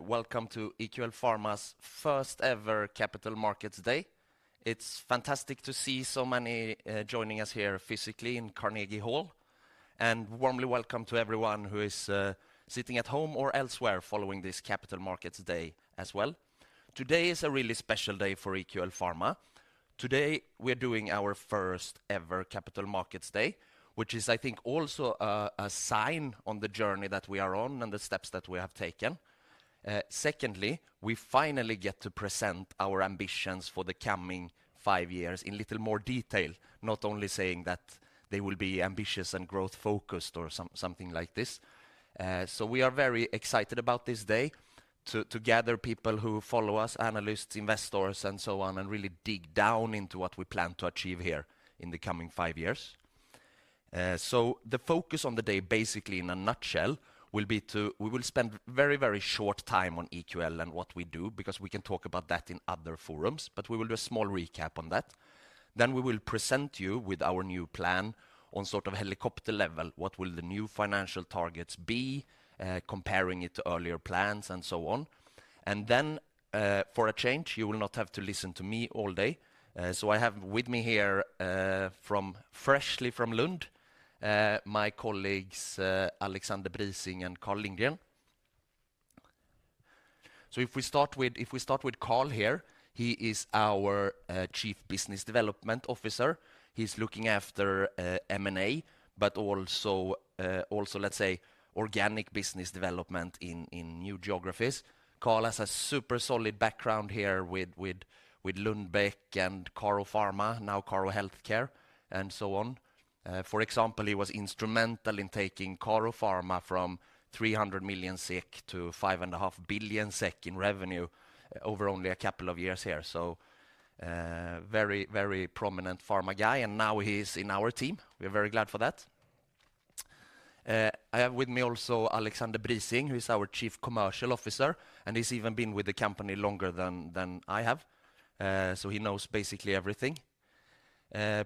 Welcome to EQL Pharma's first-ever Capital Markets Day. It's fantastic to see so many joining us here physically in Carnegie Hall. A warm welcome to everyone who is sitting at home or elsewhere following this Capital Markets Day as well. Today is a really special day for EQL Pharma. Today we are doing our first-ever Capital Markets Day, which is, I think, also a sign on the journey that we are on and the steps that we have taken. Secondly, we finally get to present our ambitions for the coming five years in a little more detail, not only saying that they will be ambitious and growth-focused or something like this. We are very excited about this day to gather people who follow us, analysts, investors, and so on, and really dig down into what we plan to achieve here in the coming five years. The focus on the day, basically in a nutshell, will be to we will spend very, very short time on EQL and what we do, because we can talk about that in other forums, but we will do a small recap on that. Then we will present you with our new plan on sort of helicopter level, what will the new financial targets be, comparing it to earlier plans and so on. For a change, you will not have to listen to me all day. I have with me here freshly from Lund, my colleagues Alexander Brising and Carl Lindgren. If we start with Carl here, he is our Chief Business Development Officer. He is looking after M&A, but also, let's say, organic business development in new geographies. Carl has a super solid background here with Lundbeck and Karo Pharma now Karo Healthcare, and so on. For example, he was instrumental in taking Karo Pharma from 300 million SEK to 5.5 billion SEK in revenue over only a couple of years here. Very, very prominent pharma guy. Now he's in our team. We are very glad for that. I have with me also Alexander Brising, who is our Chief Commercial Officer, and he's even been with the company longer than I have. He knows basically everything.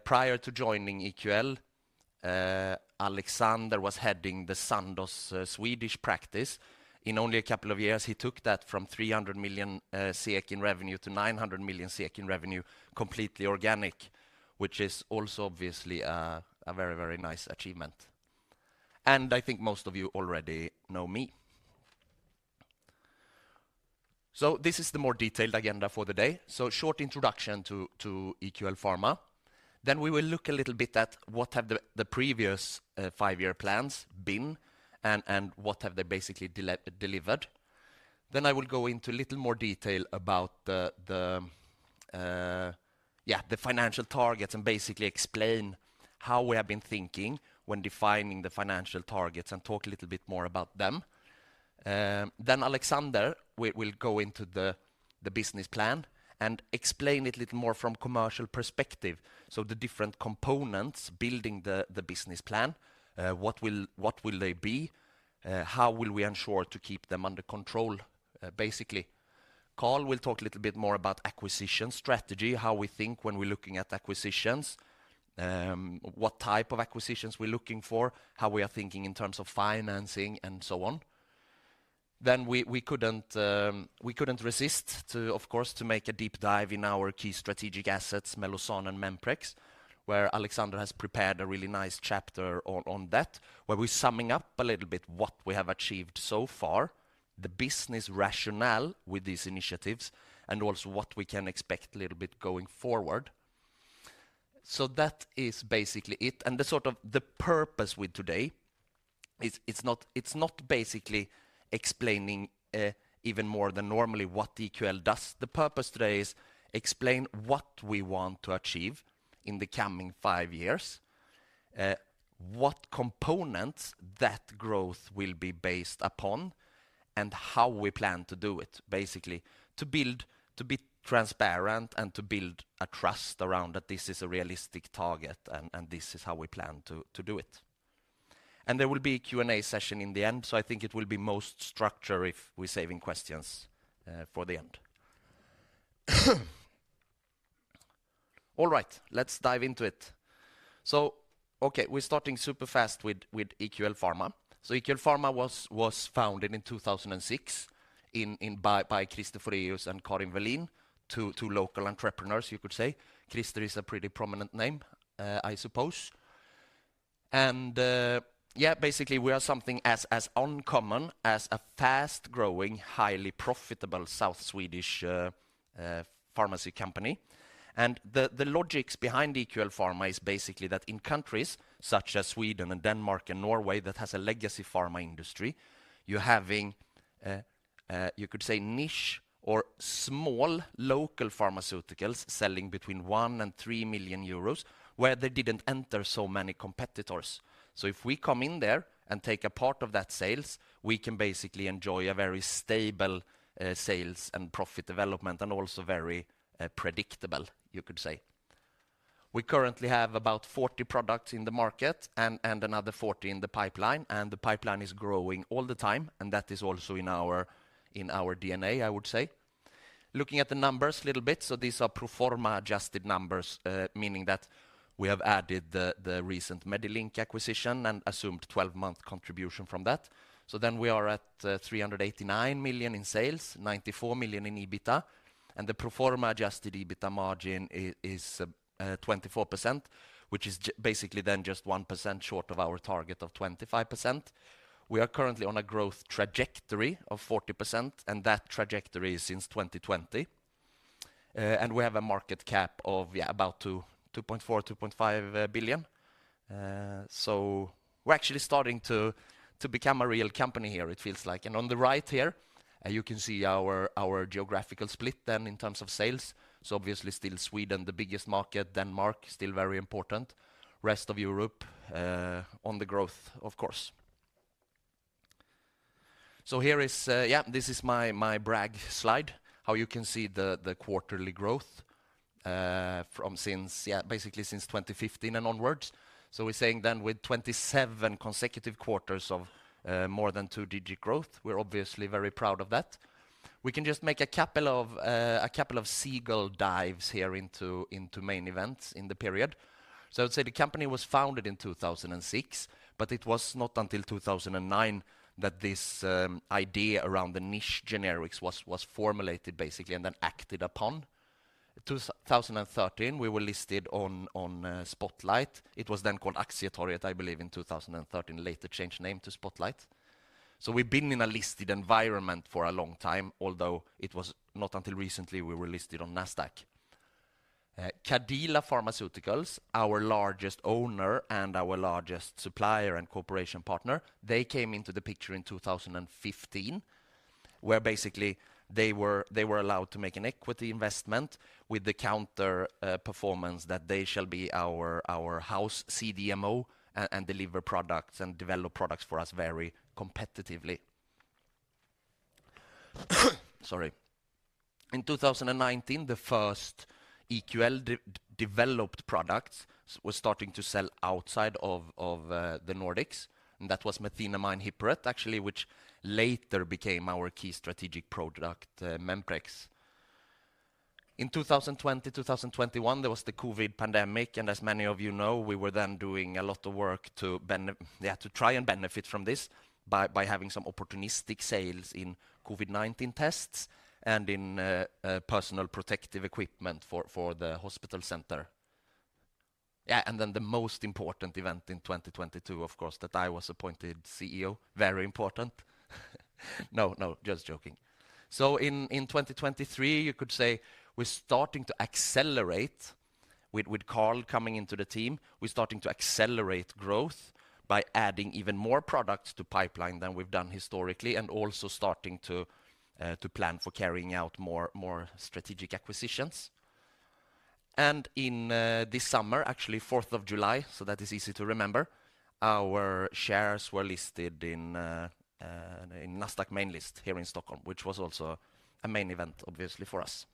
Prior to joining EQL, Alexander was heading the Sandoz Swedish practice. In only a couple of years, he took that from 300 million in revenue to 900 million in revenue, completely organic, which is also obviously a very, very nice achievement. I think most of you already know me. This is the more detailed agenda for the day. Short introduction to EQL Pharma. We will look a little bit at what have the previous five-year plans been and what have they basically delivered. I will go into a little more detail about the financial targets and basically explain how we have been thinking when defining the financial targets and talk a little bit more about them. Alexander will go into the business plan and explain it a little more from a commercial perspective. The different components building the business plan, what will they be, how will we ensure to keep them under control, basically. Carl will talk a little bit more about acquisition strategy, how we think when we're looking at acquisitions, what type of acquisitions we're looking for, how we are thinking in terms of financing, and so on. We could not resist, of course, to make a deep dive in our key strategic assets, Mellozzan and Memprex, where Alexander has prepared a really nice chapter on that, where we are summing up a little bit what we have achieved so far, the business rationale with these initiatives, and also what we can expect a little bit going forward. That is basically it. The sort of the purpose with today, it is not basically explaining even more than normally what EQL does. The purpose today is to explain what we want to achieve in the coming five years, what components that growth will be based upon, and how we plan to do it, basically, to be transparent and to build a trust around that this is a realistic target and this is how we plan to do it. There will be a Q&A session in the end, so I think it will be most structured if we're saving questions for the end. All right, let's dive into it. Okay, we're starting super fast with EQL Pharma. EQL Pharma was founded in 2006 by Christer Fåhraeus and Karin Wehlin, two local entrepreneurs, you could say. Christer is a pretty prominent name, I suppose. Yeah, basically we are something as uncommon as a fast-growing, highly profitable South Swedish pharmacy company. The logics behind EQL Pharma is basically that in countries such as Sweden and Denmark and Norway that have a legacy pharma industry, you're having, you could say, niche or small local pharmaceuticals selling between 1 million and 3 million euros, where they didn't enter so many competitors. If we come in there and take a part of that sales, we can basically enjoy a very stable sales and profit development and also very predictable, you could say. We currently have about 40 products in the market and another 40 in the pipeline, and the pipeline is growing all the time, and that is also in our DNA, I would say. Looking at the numbers a little bit, these are pro forma adjusted numbers, meaning that we have added the recent Medilink acquisition and assumed 12-month contribution from that. We are at 389 million in sales, 94 million in EBITDA, and the pro forma adjusted EBITDA margin is 24%, which is basically just 1% short of our target of 25%. We are currently on a growth trajectory of 40%, and that trajectory is since 2020. We have a market cap of about 2.4 billion-2.5 billion. We are actually starting to become a real company here, it feels like. On the right here, you can see our geographical split then in terms of sales. Obviously still Sweden, the biggest market, Denmark, still very important. Rest of Europe, on the growth, of course. Here is, yeah, this is my brag slide, how you can see the quarterly growth from since, yeah, basically since 2015 and onwards. We are saying then with 27 consecutive quarters of more than two-digit growth, we are obviously very proud of that. We can just make a couple of seagull dives here into main events in the period. I would say the company was founded in 2006, but it was not until 2009 that this idea around the niche generics was formulated basically and then acted upon. 2013, we were listed on Spotlight. It was then called Aktietorget, I believe, in 2013, later changed name to Spotlight. We have been in a listed environment for a long time, although it was not until recently we were listed on Nasdaq. Cadila Pharmaceuticals, our largest owner and our largest supplier and corporation partner, they came into the picture in 2015, where basically they were allowed to make an equity investment with the counter performance that they shall be our house CDMO and deliver products and develop products for us very competitively. Sorry. In 2019, the first EQL developed products was starting to sell outside of the Nordics, and that was methenamine hippurate, actually, which later became our key strategic product, Memprex. In 2020, 2021, there was the COVID pandemic, and as many of you know, we were then doing a lot of work to try and benefit from this by having some opportunistic sales in COVID-19 tests and in personal protective equipment for the hospital center. Yeah, and then the most important event in 2022, of course, that I was appointed CEO, very important. No, no, just joking. In 2023, you could say we're starting to accelerate with Carl coming into the team, we're starting to accelerate growth by adding even more products to pipeline than we've done historically, and also starting to plan for carrying out more strategic acquisitions. In this summer, actually 4th of July, so that is easy to remember, our shares were listed in Nasdaq main list here in Stockholm, which was also a main event, obviously, for us.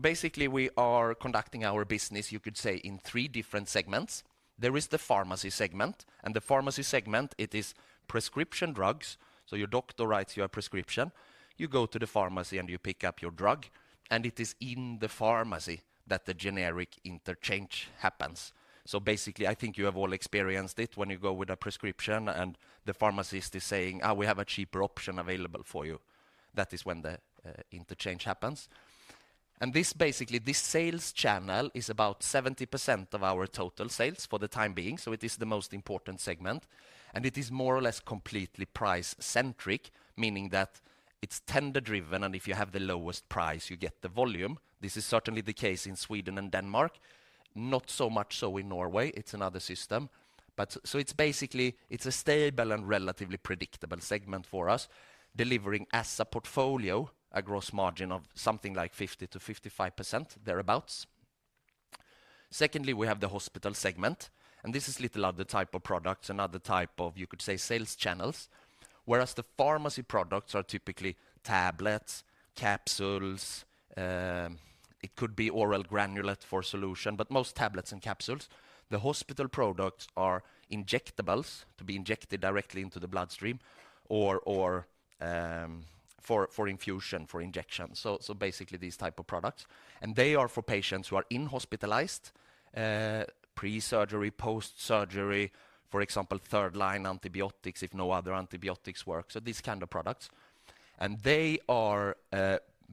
Basically we are conducting our business, you could say, in three different segments. There is the pharmacy segment, and the pharmacy segment, it is prescription drugs. Your doctor writes you a prescription, you go to the pharmacy and you pick up your drug, and it is in the pharmacy that the generic interchange happens. I think you have all experienced it when you go with a prescription and the pharmacist is saying, "Oh, we have a cheaper option available for you." That is when the interchange happens. This sales channel is about 70% of our total sales for the time being, so it is the most important segment. It is more or less completely price-centric, meaning that it's tender-driven, and if you have the lowest price, you get the volume. This is certainly the case in Sweden and Denmark, not so much so in Norway, it's another system. It is basically, it is a stable and relatively predictable segment for us, delivering as a portfolio a gross margin of something like 50%-55%, thereabouts. Secondly, we have the hospital segment, and this is a little other type of products, another type of, you could say, sales channels. Whereas the pharmacy products are typically tablets, capsules, it could be oral granulate for solution, but most tablets and capsules. The hospital products are injectables, to be injected directly into the bloodstream or for infusion, for injection. Basically these type of products. They are for patients who are inhospitalized, pre-surgery, post-surgery, for example, third-line antibiotics if no other antibiotics work, so these kind of products. They are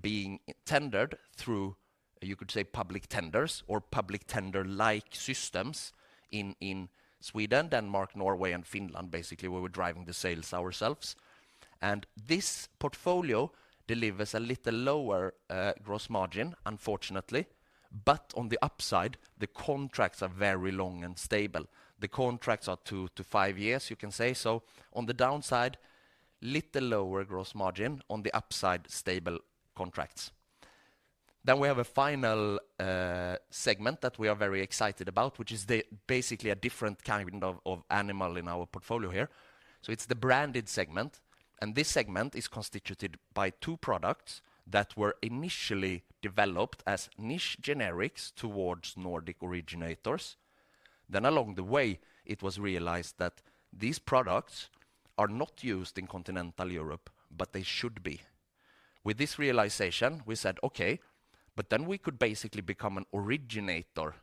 being tendered through, you could say, public tenders or public tender-like systems in Sweden, Denmark, Norway, and Finland, basically, where we're driving the sales ourselves. This portfolio delivers a little lower gross margin, unfortunately, but on the upside, the contracts are very long and stable. The contracts are two to five years, you can say. On the downside, little lower gross margin; on the upside, stable contracts. We have a final segment that we are very excited about, which is basically a different kind of animal in our portfolio here. It is the branded segment, and this segment is constituted by two products that were initially developed as niche generics towards Nordic originators. Along the way, it was realized that these products are not used in continental Europe, but they should be. With this realization, we said, "Okay, but then we could basically become an originator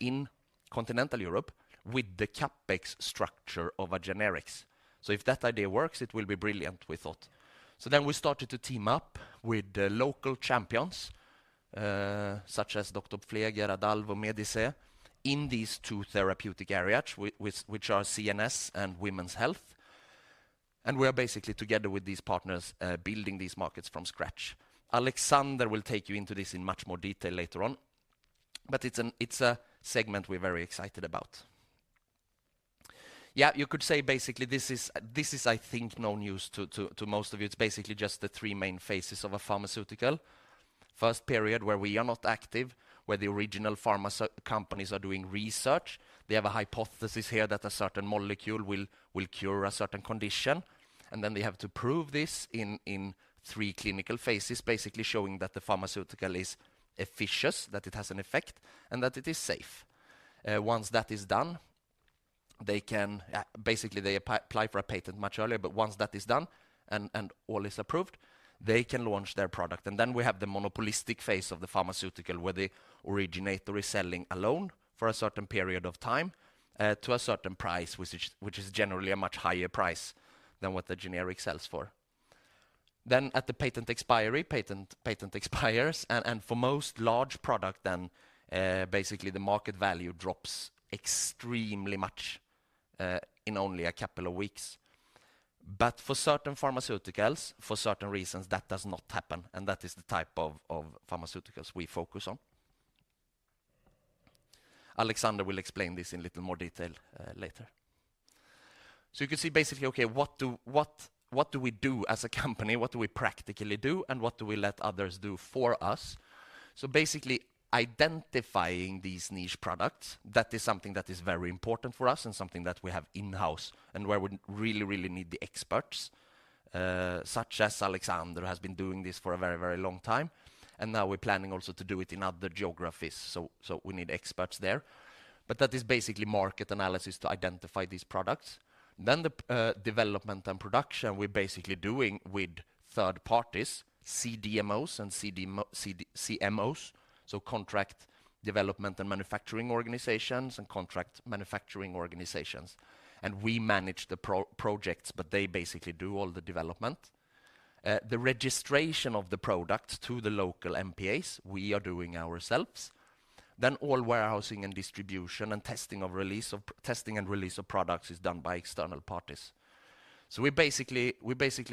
in continental Europe with the CapEx structure of a generics." If that idea works, it will be brilliant, we thought. We started to team up with local champions, such as Dr. Pfleger, Adalvo, MEDICE in these two therapeutic areas, which are CNS and women's health. We are basically together with these partners building these markets from scratch. Alexander will take you into this in much more detail later on, but it's a segment we're very excited about. You could say basically this is, I think, no news to most of you. It's basically just the three main phases of a pharmaceutical. First period where we are not active, where the original pharma companies are doing research. They have a hypothesis here that a certain molecule will cure a certain condition, and then they have to prove this in three clinical phases, basically showing that the pharmaceutical is efficient, that it has an effect, and that it is safe. Once that is done, they can basically apply for a patent much earlier, but once that is done and all is approved, they can launch their product. We have the monopolistic phase of the pharmaceutical where the originator is selling alone for a certain period of time to a certain price, which is generally a much higher price than what the generic sells for. At the patent expiry, patent expires, and for most large products then, basically the market value drops extremely much in only a couple of weeks. For certain pharmaceuticals, for certain reasons, that does not happen, and that is the type of pharmaceuticals we focus on. Alexander will explain this in a little more detail later. You could see basically, okay, what do we do as a company, what do we practically do, and what do we let others do for us? Basically identifying these niche products, that is something that is very important for us and something that we have in-house and where we really, really need the experts, such as Alexander has been doing this for a very, very long time. Now we're planning also to do it in other geographies, so we need experts there. That is basically market analysis to identify these products. The development and production we're basically doing with third parties, CDMOs and CMOs, so contract development and manufacturing organizations and contract manufacturing organizations. We manage the projects, but they basically do all the development. The registration of the products to the local MPAs, we are doing ourselves. All warehousing and distribution and testing and release of products is done by external parties. We are basically,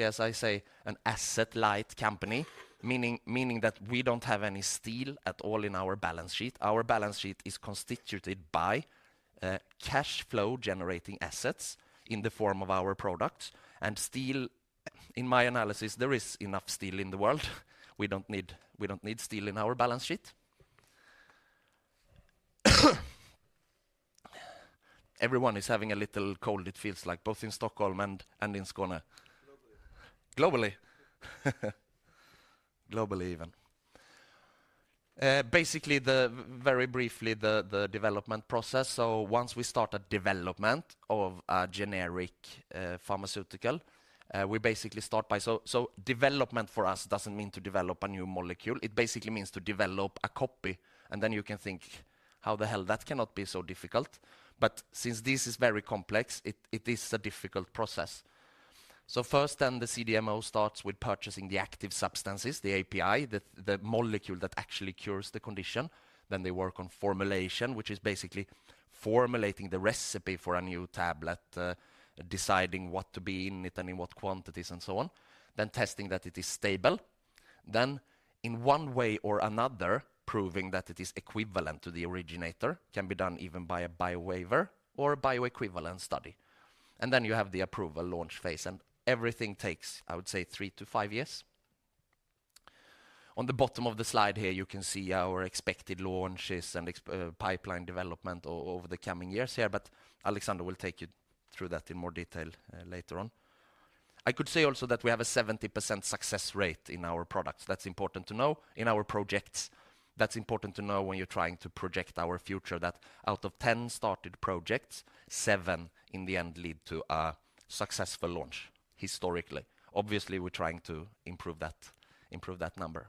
as I say, an asset-light company, meaning that we do not have any steel at all in our balance sheet. Our balance sheet is constituted by cash flow generating assets in the form of our products. Steel, in my analysis, there is enough steel in the world. We do not need steel in our balance sheet. Everyone is having a little cold, it feels like, both in Stockholm and in Skåne. Globally. Globally even. Very briefly, the development process. Once we start a development of a generic pharmaceutical, we basically start by, so development for us does not mean to develop a new molecule. It basically means to develop a copy. You can think, "How the hell? That cannot be so difficult." Since this is very complex, it is a difficult process. First, the CDMO starts with purchasing the active substances, the API, the molecule that actually cures the condition. They work on formulation, which is basically formulating the recipe for a new tablet, deciding what to be in it and in what quantities and so on. Then testing that it is stable. In one way or another, proving that it is equivalent to the originator can be done even by a bio-waiver or a bio-equivalent study. You have the approval launch phase. Everything takes, I would say, three to five years. On the bottom of the slide here, you can see our expected launches and pipeline development over the coming years here, but Alexander will take you through that in more detail later on. I could say also that we have a 70% success rate in our products. That's important to know. In our projects, that's important to know when you're trying to project our future, that out of 10 started projects, 7 in the end lead to a successful launch historically. Obviously, we're trying to improve that number.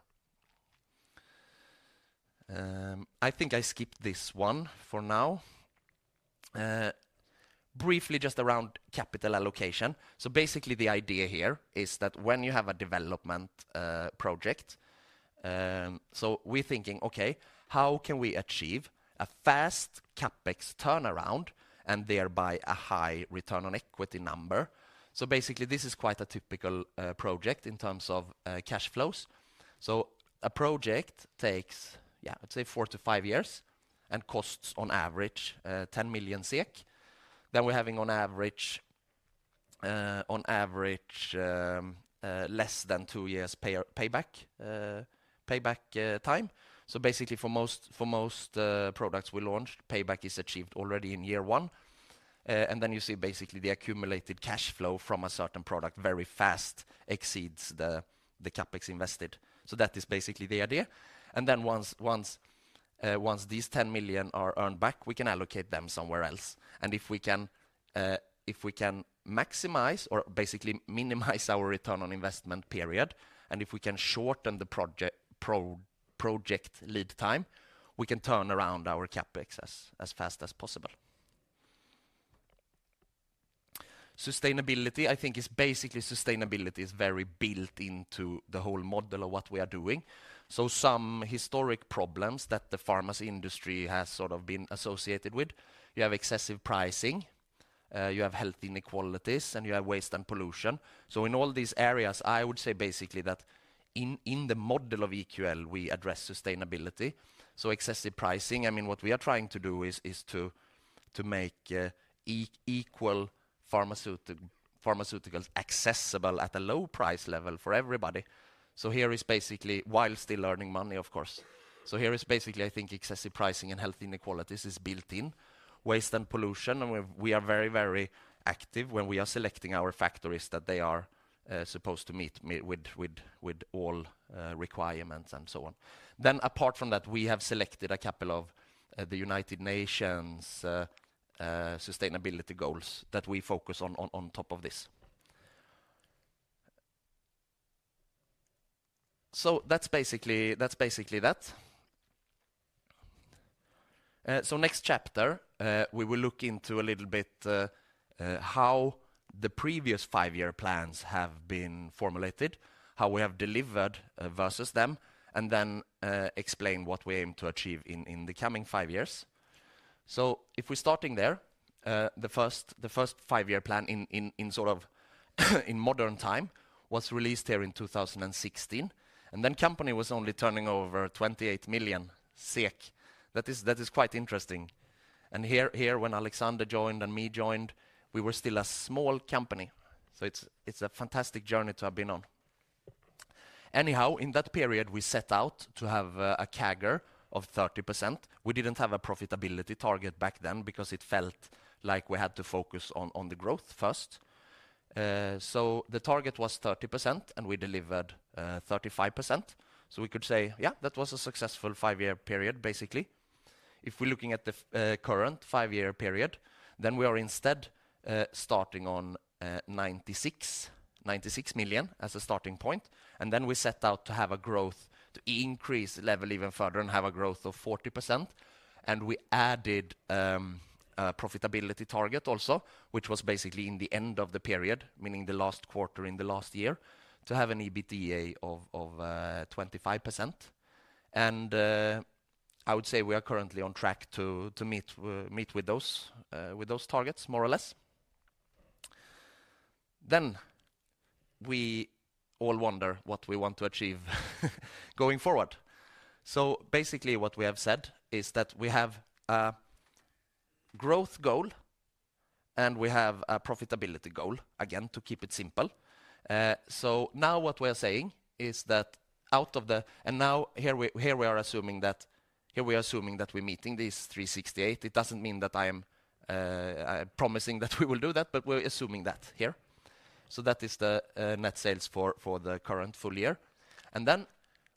I think I skipped this one for now. Briefly, just around capital allocation. Basically the idea here is that when you have a development project, we're thinking, "Okay, how can we achieve a fast CapEx turnaround and thereby a high return on equity number?" Basically this is quite a typical project in terms of cash flows. A project takes, yeah, I'd say four to five years and costs on average 10 million SEK. We are having on average less than two years payback time. Basically, for most products we launched, payback is achieved already in year one. You see basically the accumulated cash flow from a certain product very fast exceeds the CapEx invested. That is basically the idea. Once these 10 million are earned back, we can allocate them somewhere else. If we can maximize or basically minimize our return on investment period, and if we can shorten the project lead time, we can turn around our CapEx as fast as possible. Sustainability, I think, is basically sustainability is very built into the whole model of what we are doing. Some historic problems that the pharmacy industry has sort of been associated with, you have excessive pricing, you have health inequalities, and you have waste and pollution. In all these areas, I would say basically that in the model of EQL, we address sustainability. Excessive pricing, I mean, what we are trying to do is to make equal pharmaceuticals accessible at a low price level for everybody. Here is basically, while still earning money, of course. Here is basically, I think, excessive pricing and health inequalities is built in, waste and pollution, and we are very, very active when we are selecting our factories that they are supposed to meet with all requirements and so on. Apart from that, we have selected a couple of the United Nations sustainability goals that we focus on on top of this. That's basically that. Next chapter, we will look into a little bit how the previous five-year plans have been formulated, how we have delivered versus them, and then explain what we aim to achieve in the coming five years. If we're starting there, the first five-year plan in sort of modern time was released here in 2016, and then the company was only turning over 28 million SEK. That is quite interesting. Here when Alexander joined and me joined, we were still a small company. It is a fantastic journey to have been on. Anyhow, in that period, we set out to have a CAGR of 30%. We did not have a profitability target back then because it felt like we had to focus on the growth first. The target was 30%, and we delivered 35%. We could say, yeah, that was a successful five-year period, basically. If we're looking at the current five-year period, we are instead starting on 96 million as a starting point. We set out to have a growth to increase the level even further and have a growth of 40%. We added a profitability target also, which was basically in the end of the period, meaning the last quarter in the last year, to have an EBITDA of 25%. I would say we are currently on track to meet with those targets, more or less. We all wonder what we want to achieve going forward. Basically what we have said is that we have a growth goal and we have a profitability goal, again, to keep it simple. Now what we are saying is that out of the, and now here we are assuming that, here we are assuming that we're meeting these 368 million. It does not mean that I am promising that we will do that, but we are assuming that here. That is the net sales for the current full year.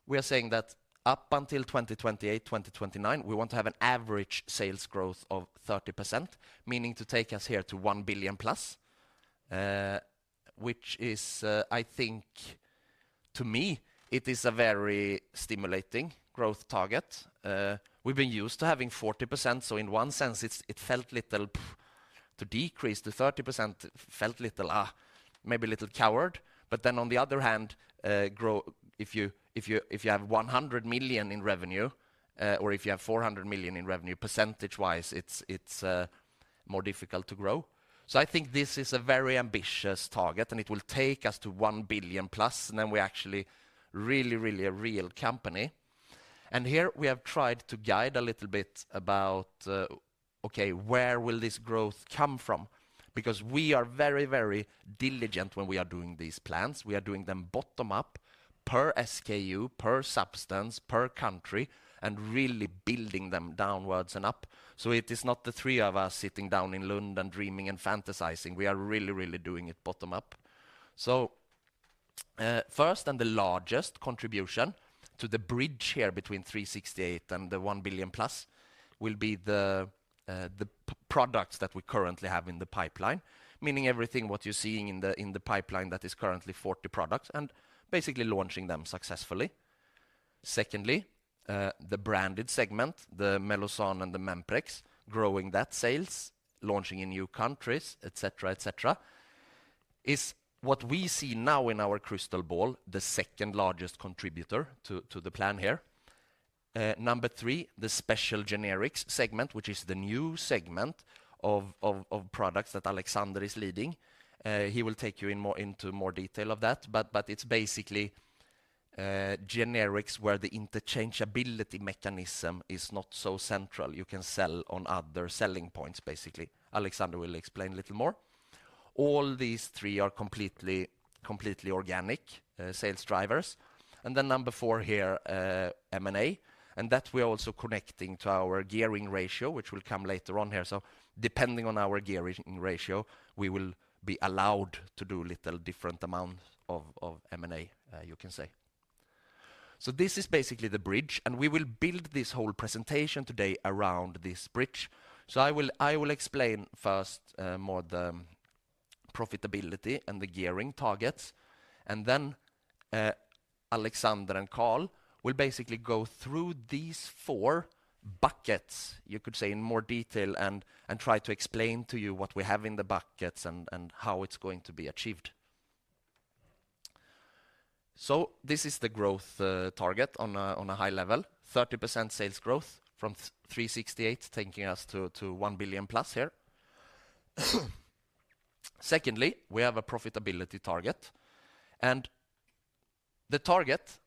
We are saying that up until 2028, 2029, we want to have an average sales growth of 30%, meaning to take us here to 1 billion plus, which is, I think, to me, it is a very stimulating growth target. We have been used to having 40%, so in one sense, it felt little to decrease to 30% felt little, maybe a little coward. On the other hand, if you have 100 million in revenue or if you have 400 million in revenue, percentage-wise, it is more difficult to grow. I think this is a very ambitious target, and it will take us to 1 billion plus, and then we actually really, really a real company. Here we have tried to guide a little bit about, okay, where will this growth come from? Because we are very, very diligent when we are doing these plans. We are doing them bottom up, per SKU, per substance, per country, and really building them downwards and up. It is not the three of us sitting down in London dreaming and fantasizing. We are really, really doing it bottom up. First and the largest contribution to the bridge here between 368 million and the 1 billion plus will be the products that we currently have in the pipeline, meaning everything what you're seeing in the pipeline that is currently 40 products and basically launching them successfully. Secondly, the branded segment, the Mellozzan and the Memprex, growing that sales, launching in new countries, etc., etc., is what we see now in our crystal ball, the second largest contributor to the plan here. Number three, the special generics segment, which is the new segment of products that Alexander is leading. He will take you into more detail of that, but it's basically generics where the interchangeability mechanism is not so central. You can sell on other selling points, basically. Alexander will explain a little more. All these three are completely organic sales drivers. Number four here, M&A, and that we are also connecting to our gearing ratio, which will come later on here. Depending on our gearing ratio, we will be allowed to do a little different amount of M&A, you can say. This is basically the bridge, and we will build this whole presentation today around this bridge. I will explain first more the profitability and the gearing targets, and then Alexander and Carl will basically go through these four buckets, you could say, in more detail and try to explain to you what we have in the buckets and how it's going to be achieved. This is the growth target on a high level, 30% sales growth from 368 million taking us to 1 billion plus here. Secondly, we have a profitability target, and the target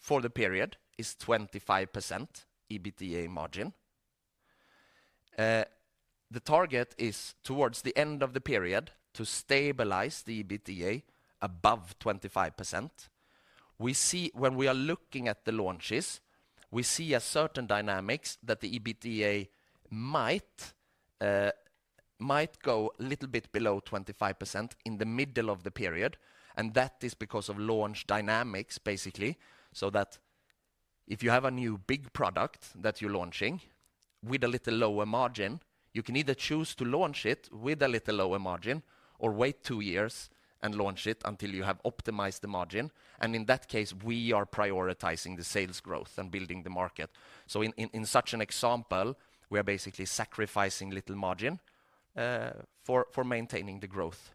for the period is 25% EBITDA margin. The target is towards the end of the period to stabilize the EBITDA above 25%. When we are looking at the launches, we see a certain dynamic that the EBITDA might go a little bit below 25% in the middle of the period, and that is because of launch dynamics, basically. If you have a new big product that you're launching with a little lower margin, you can either choose to launch it with a little lower margin or wait two years and launch it until you have optimized the margin. In that case, we are prioritizing the sales growth and building the market. In such an example, we are basically sacrificing little margin for maintaining the growth.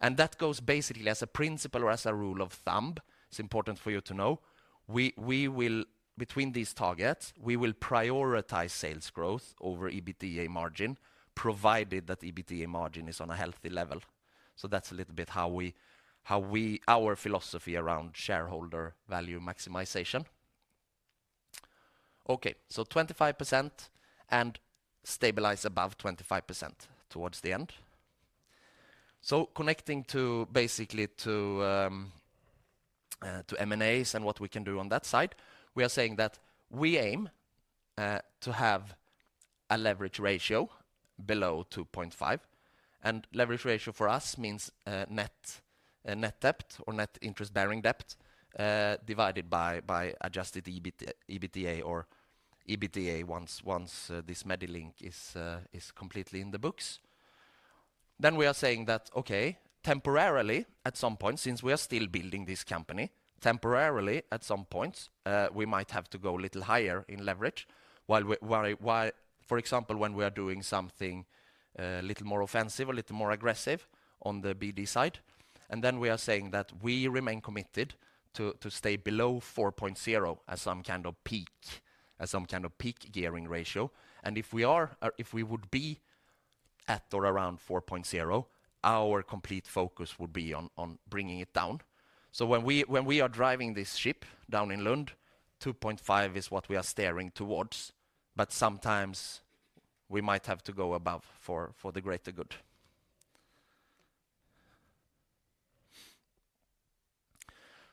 That goes basically as a principle or as a rule of thumb. It's important for you to know. Between these targets, we will prioritize sales growth over EBITDA margin, provided that EBITDA margin is on a healthy level. That's a little bit how our philosophy around shareholder value maximization. Okay, 25% and stabilize above 25% towards the end. Connecting basically to M&As and what we can do on that side, we are saying that we aim to have a leverage ratio below 2.5. Leverage ratio for us means net debt or net interest-bearing debt divided by adjusted EBITDA or EBITDA once this Medilink is completely in the books. We are saying that, okay, temporarily at some point, since we are still building this company, temporarily at some point, we might have to go a little higher in leverage, for example, when we are doing something a little more offensive or a little more aggressive on the BD side. We are saying that we remain committed to stay below 4.0 as some kind of peak, as some kind of peak gearing ratio. If we would be at or around 4.0, our complete focus would be on bringing it down. When we are driving this ship down in Lund, 2.5 is what we are staring towards, but sometimes we might have to go above for the greater good.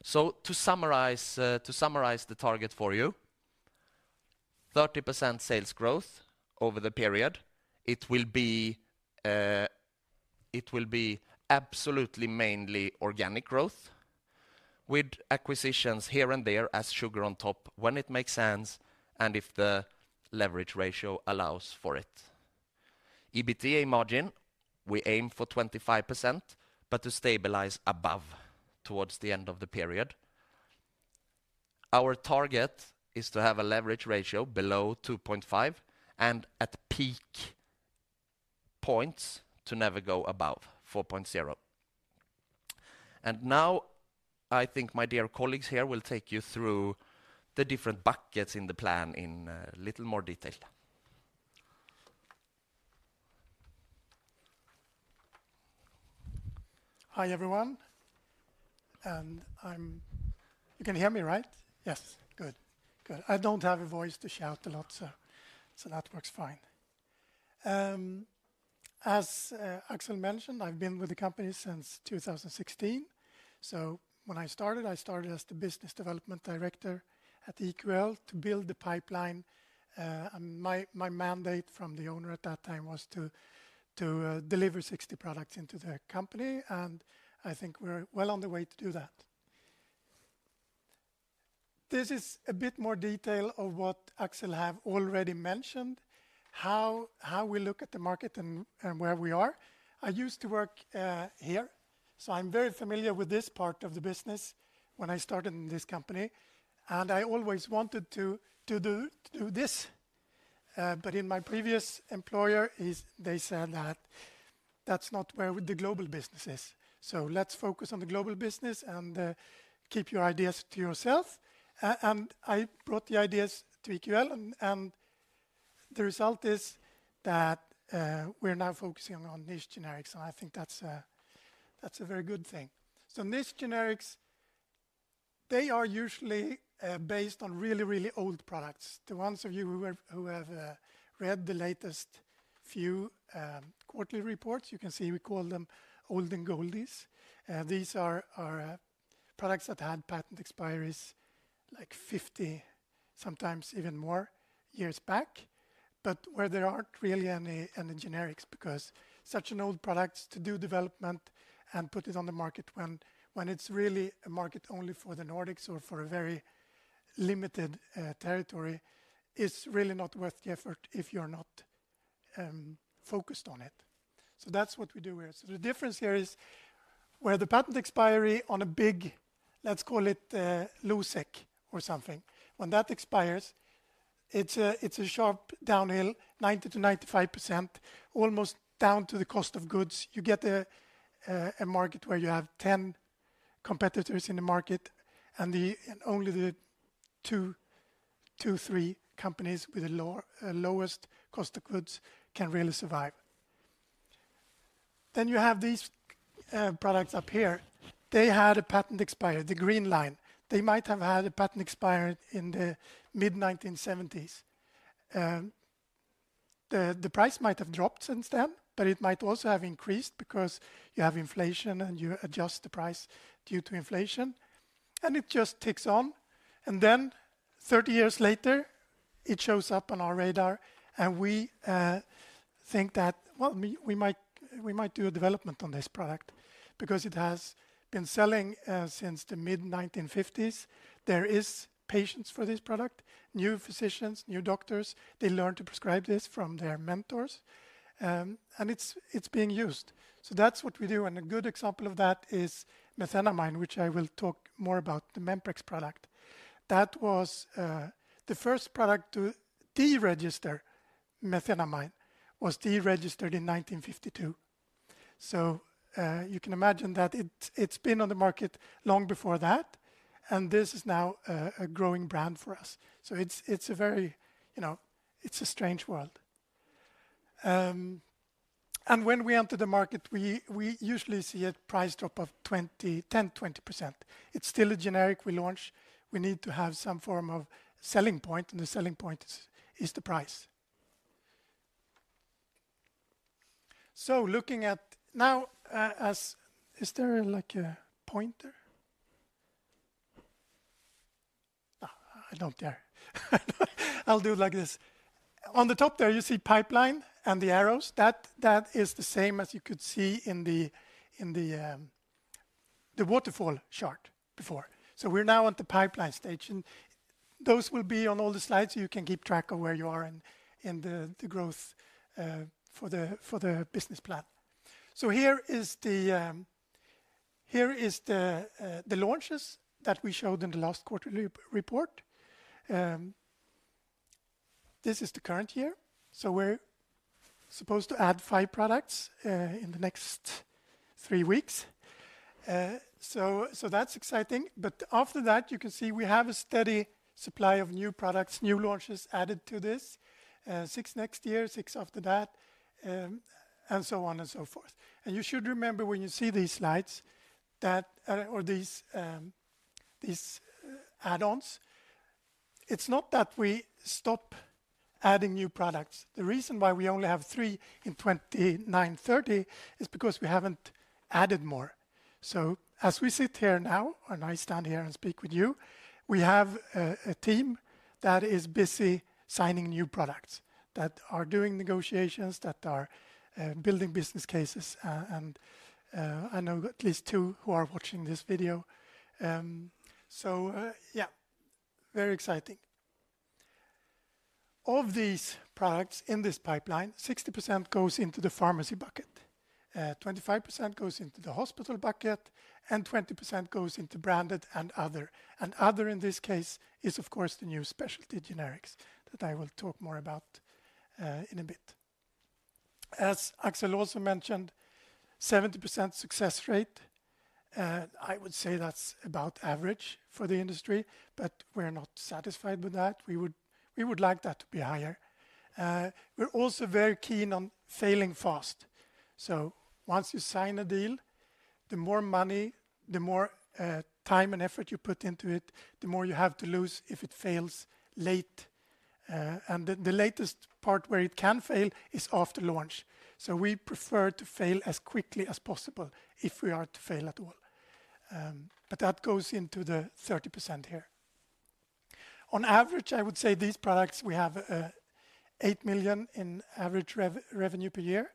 To summarize the target for you, 30% sales growth over the period, it will be absolutely mainly organic growth with acquisitions here and there as sugar on top when it makes sense and if the leverage ratio allows for it. EBITDA margin, we aim for 25%, but to stabilize above towards the end of the period. Our target is to have a leverage ratio below 2.5 and at peak points to never go above 4.0. I think my dear colleagues here will take you through the different buckets in the plan in a little more detail. Hi everyone. You can hear me, right? Yes. Good. Good. I do not have a voice to shout a lot, so that works fine. As Axel mentioned, I have been with the company since 2016. When I started, I started as the Business Development Director at EQL to build the pipeline. My mandate from the owner at that time was to deliver 60 products into the company, and I think we are well on the way to do that. This is a bit more detail of what Axel has already mentioned, how we look at the market and where we are. I used to work here, so I am very familiar with this part of the business when I started in this company, and I always wanted to do this. In my previous employer, they said that that is not where the global business is. Let's focus on the global business and keep your ideas to yourself. I brought the ideas to EQL, and the result is that we're now focusing on niche generics, and I think that's a very good thing. Niche generics, they are usually based on really, really old products. The ones of you who have read the latest few quarterly reports, you can see we call them old and goldies. These are products that had patent expiries like 50, sometimes even more years back, but where there aren't really any generics because such an old product to do development and put it on the market when it's really a market only for the Nordics or for a very limited territory is really not worth the effort if you're not focused on it. That's what we do here. The difference here is where the patent expiry on a big, let's call it low sec or something, when that expires, it's a sharp downhill, 90% to 95%, almost down to the cost of goods. You get a market where you have 10 competitors in the market, and only the two, three companies with the lowest cost of goods can really survive. You have these products up here. They had a patent expiry, the green line. They might have had a patent expiry in the mid-1970s. The price might have dropped since then, but it might also have increased because you have inflation and you adjust the price due to inflation, and it just ticks on. Thirty years later, it shows up on our radar, and we think that, well, we might do a development on this product because it has been selling since the mid-1950s. There is patience for this product, new physicians, new doctors. They learned to prescribe this from their mentors, and it's being used. That's what we do. A good example of that is methenamine, which I will talk more about, the Memprex product. The first product to deregister methenamine was deregistered in 1952. You can imagine that it's been on the market long before that, and this is now a growing brand for us. It's a very, it's a strange world. When we enter the market, we usually see a price drop of 10% to 20%. It's still a generic we launch. We need to have some form of selling point, and the selling point is the price. Looking at now, is there like a pointer? No, I don't care. I'll do it like this. On the top there, you see pipeline and the arrows. That is the same as you could see in the waterfall chart before. We are now at the pipeline stage. Those will be on all the slides so you can keep track of where you are in the growth for the business plan. Here are the launches that we showed in the last quarterly report. This is the current year. We are supposed to add five products in the next three weeks. That is exciting. After that, you can see we have a steady supply of new products, new launches added to this, six next year, six after that, and so on and so forth. You should remember when you see these slides or these add-ons, it is not that we stop adding new products. The reason why we only have three in 2029-2030 is because we haven't added more. As we sit here now, and I stand here and speak with you, we have a team that is busy signing new products, that are doing negotiations, that are building business cases. I know at least two who are watching this video. Very exciting. Of these products in this pipeline, 60% goes into the pharmacy bucket, 25% goes into the hospital bucket, and 20% goes into branded and other. Other in this case is, of course, the new specialty generics that I will talk more about in a bit. As Axel also mentioned, 70% success rate. I would say that's about average for the industry, but we're not satisfied with that. We would like that to be higher. We're also very keen on failing fast. Once you sign a deal, the more money, the more time and effort you put into it, the more you have to lose if it fails late. The latest part where it can fail is after launch. We prefer to fail as quickly as possible if we are to fail at all. That goes into the 30% here. On average, I would say these products, we have 8 million in average revenue per year.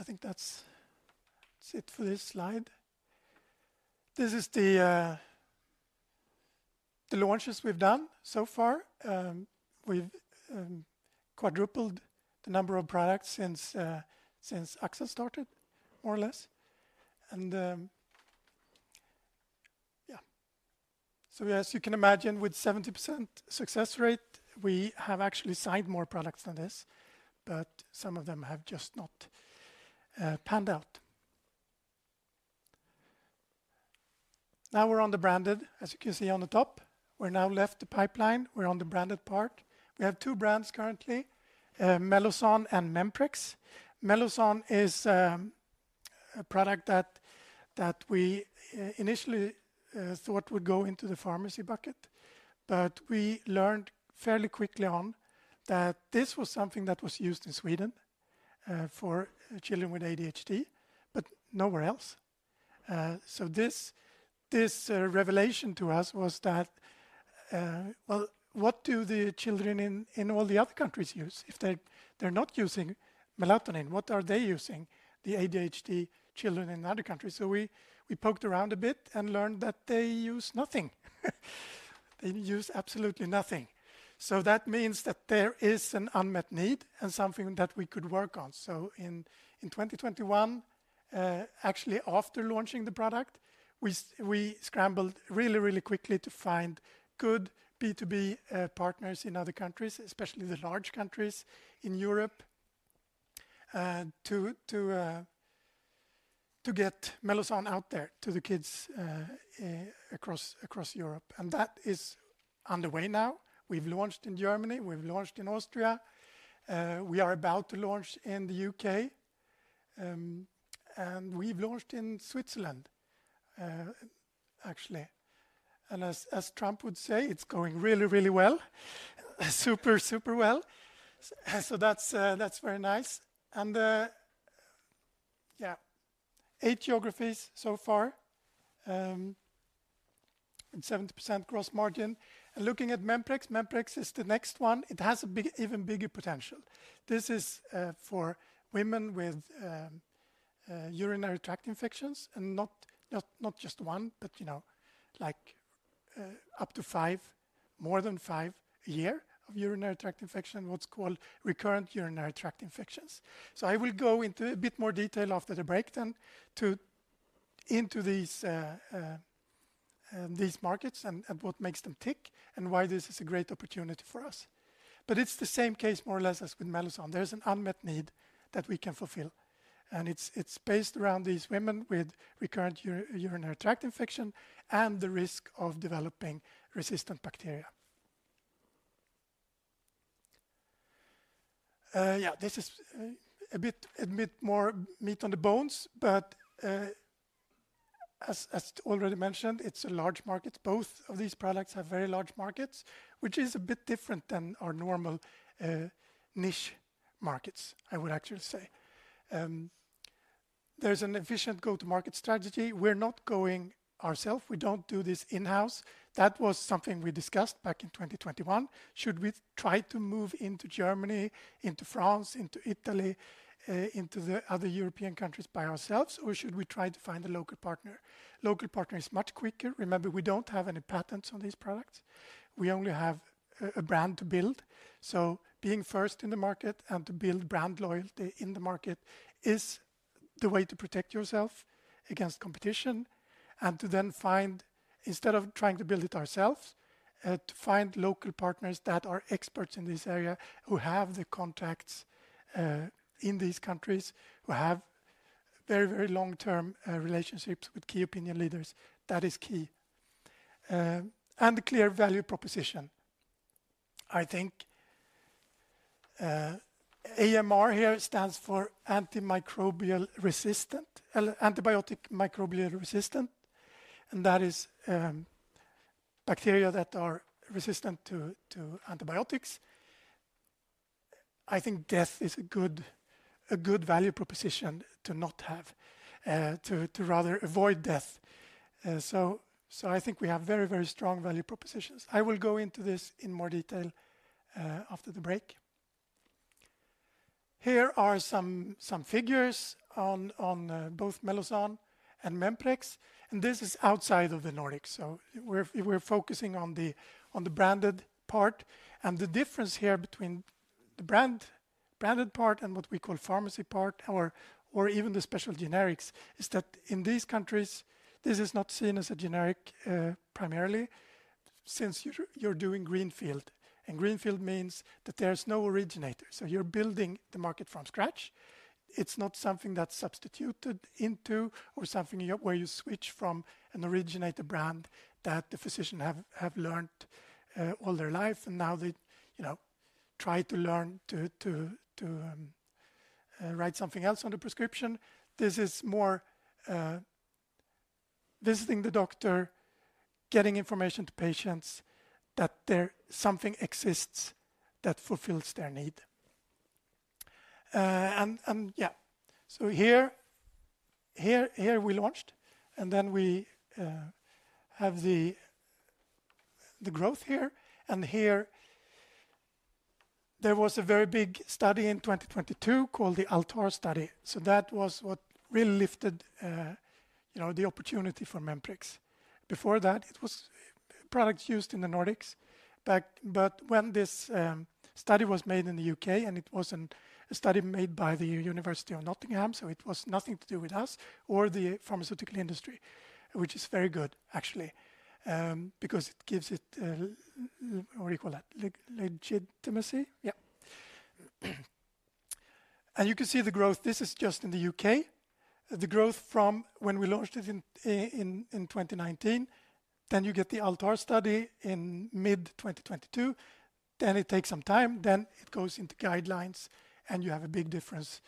I think that's it for this slide. These are the launches we've done so far. We've quadrupled the number of products since Axel started, more or less. As you can imagine, with a 70% success rate, we have actually signed more products than this, but some of them have just not panned out. Now we're on the branded, as you can see on the top. We're now left the pipeline. We're on the branded part. We have two brands currently, Mellozzan and Memprex. Mellozzan is a product that we initially thought would go into the pharmacy bucket, but we learned fairly quickly on that this was something that was used in Sweden for children with ADHD, but nowhere else. This revelation to us was that, well, what do the children in all the other countries use if they're not using melatonin? What are they using, the ADHD children in other countries? We poked around a bit and learned that they use nothing. They use absolutely nothing. That means that there is an unmet need and something that we could work on. In 2021, actually after launching the product, we scrambled really, really quickly to find good B2B partners in other countries, especially the large countries in Europe, to get Mellozzan out there to the kids across Europe. That is underway now. We've launched in Germany. We've launched in Austria. We are about to launch in the U.K., and we've launched in Switzerland, actually. As Trump would say, it's going really, really well, super, super well. That's very nice. Yeah, eight geographies so far and 70% gross margin. Looking at Memprex, Memprex is the next one. It has an even bigger potential. This is for women with urinary tract infections and not just one, but up to five, more than five a year of urinary tract infections, what's called recurrent urinary tract infections. I will go into a bit more detail after the break then into these markets and what makes them tick and why this is a great opportunity for us. It is the same case, more or less, as with Mellozzan. There is an unmet need that we can fulfill, and it is based around these women with recurrent urinary tract infection and the risk of developing resistant bacteria. This is a bit more meat on the bones, but as already mentioned, it is a large market. Both of these products have very large markets, which is a bit different than our normal niche markets, I would actually say. There is an efficient go-to-market strategy. We are not going ourself. We do not do this in-house. That was something we discussed back in 2021. Should we try to move into Germany, into France, into Italy, into the other European countries by ourselves, or should we try to find a local partner? Local partner is much quicker. Remember, we do not have any patents on these products. We only have a brand to build. Being first in the market and to build brand loyalty in the market is the way to protect yourself against competition and to then find, instead of trying to build it ourselves, to find local partners that are experts in this area who have the contacts in these countries, who have very, very long-term relationships with key opinion leaders. That is key. And the clear value proposition. I think AMR here stands for antimicrobial resistance, and that is bacteria that are resistant to antibiotics. I think death is a good value proposition to not have, to rather avoid death. I think we have very, very strong value propositions. I will go into this in more detail after the break. Here are some figures on both Mellozzan and Memprex, and this is outside of the Nordics. We are focusing on the branded part. The difference here between the branded part and what we call pharmacy part or even the special generics is that in these countries, this is not seen as a generic primarily since you are doing greenfield. Greenfield means that there is no originator. You are building the market from scratch. It is not something that is substituted into or something where you switch from an originator brand that the physician has learned all their life and now they try to learn to write something else on the prescription. This is more visiting the doctor, getting information to patients that there is something that exists that fulfills their need. Yeah, here we launched, and then we have the growth here. Here there was a very big study in 2022 called the ALTAR study. That was what really lifted the opportunity for Memprex. Before that, it was products used in the Nordics. When this study was made in the U.K., and it was a study made by the University of Nottingham, it had nothing to do with us or the pharmaceutical industry, which is very good actually because it gives it, what do you call that, legitimacy. Yeah. You can see the growth. This is just in the U.K. The growth from when we launched it in 2019, then you get the ALTAR study in mid-2022. It takes some time. It goes into guidelines, and you have a big difference.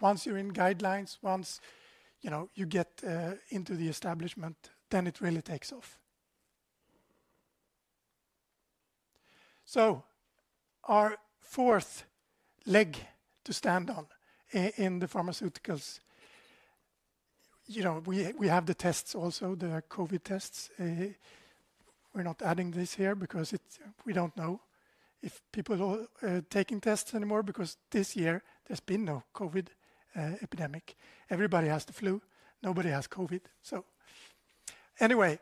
Once you're in guidelines, once you get into the establishment, then it really takes off. Our fourth leg to stand on in the pharmaceuticals, we have the tests also, the COVID tests. We're not adding this here because we don't know if people are taking tests anymore because this year there's been no COVID epidemic. Everybody has the flu. Nobody has COVID. Anyway,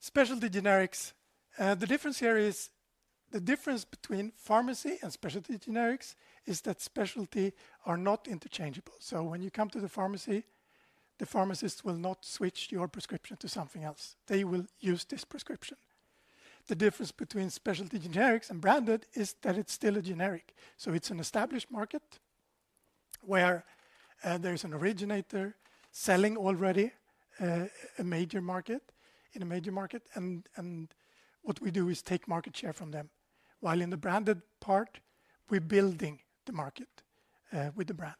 specialty generics. The difference here is the difference between pharmacy and specialty generics is that specialty are not interchangeable. When you come to the pharmacy, the pharmacist will not switch your prescription to something else. They will use this prescription. The difference between specialty generics and branded is that it's still a generic. It's an established market where there's an originator selling already a major market in a major market. What we do is take market share from them. While in the branded part, we're building the market with the brand.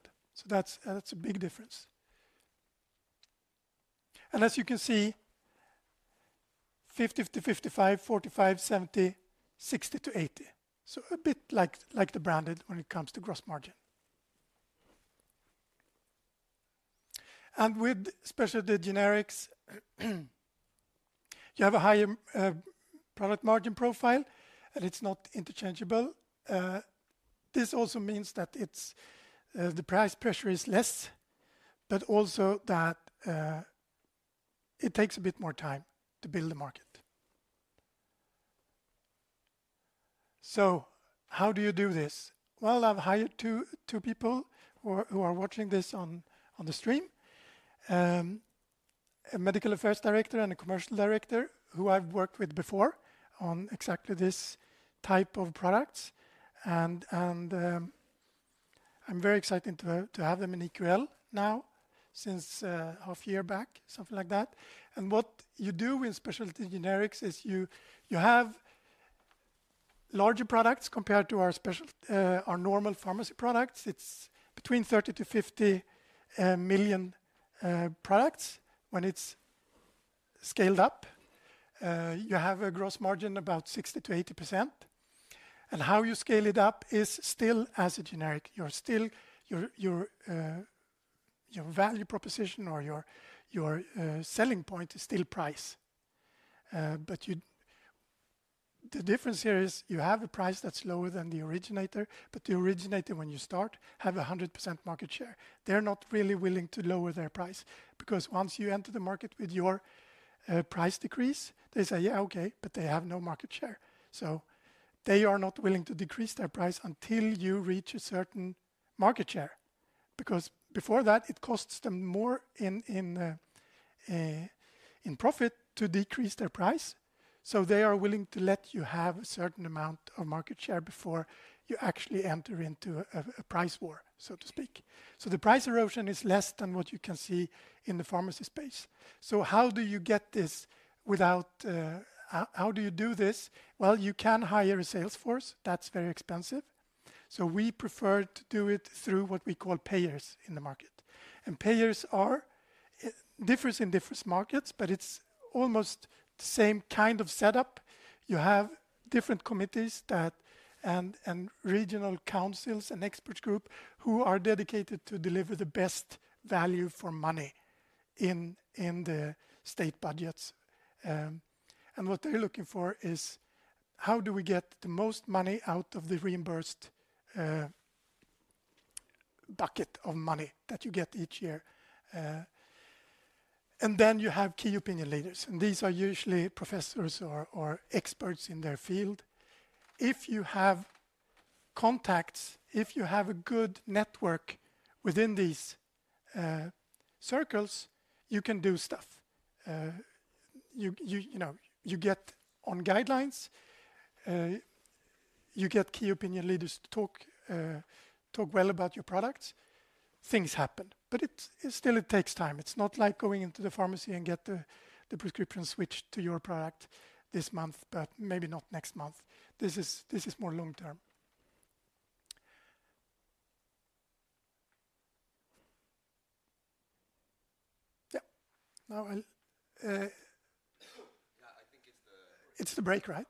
That is a big difference. As you can see, 50-55, 45, 70, 60-80. A bit like the branded when it comes to gross margin. With specialty generics, you have a higher product margin profile, and it's not interchangeable. This also means that the price pressure is less, but also that it takes a bit more time to build the market. How do you do this? I have hired two people who are watching this on the stream, a Medical Affairs Director and a Commercial Director who I have worked with before on exactly this type of products. I am very excited to have them in EQL now since half a year back, something like that. What you do with specialty generics is you have larger products compared to our normal pharmacy products. It is between 30-50 million products when it is scaled up. You have a gross margin of about 60%-80%. How you scale it up is still as a generic. Your value proposition or your selling point is still price. The difference here is you have a price that is lower than the originator, but the originator, when you start, has 100% market share. They are not really willing to lower their price because once you enter the market with your price decrease, they say, "Yeah, okay," but they have no market share. They are not willing to decrease their price until you reach a certain market share because before that, it costs them more in profit to decrease their price. They are willing to let you have a certain amount of market share before you actually enter into a price war, so to speak. The price erosion is less than what you can see in the pharmacy space. How do you get this without, how do you do this? You can hire a Salesforce. That's very expensive. We prefer to do it through what we call payers in the market. Payers differ in different markets, but it's almost the same kind of setup. You have different committees and regional councils and experts groups who are dedicated to deliver the best value for money in the state budgets. What they're looking for is how do we get the most money out of the reimbursed bucket of money that you get each year. Then you have key opinion leaders. These are usually professors or experts in their field. If you have contacts, if you have a good network within these circles, you can do stuff. You get on guidelines. You get key opinion leaders to talk well about your products. Things happen, but still it takes time. It is not like going into the pharmacy and getting the prescription switched to your product this month, but maybe not next month. This is more long-term. Yeah. Now I will— Yeah, I think it is the— It is the break, right?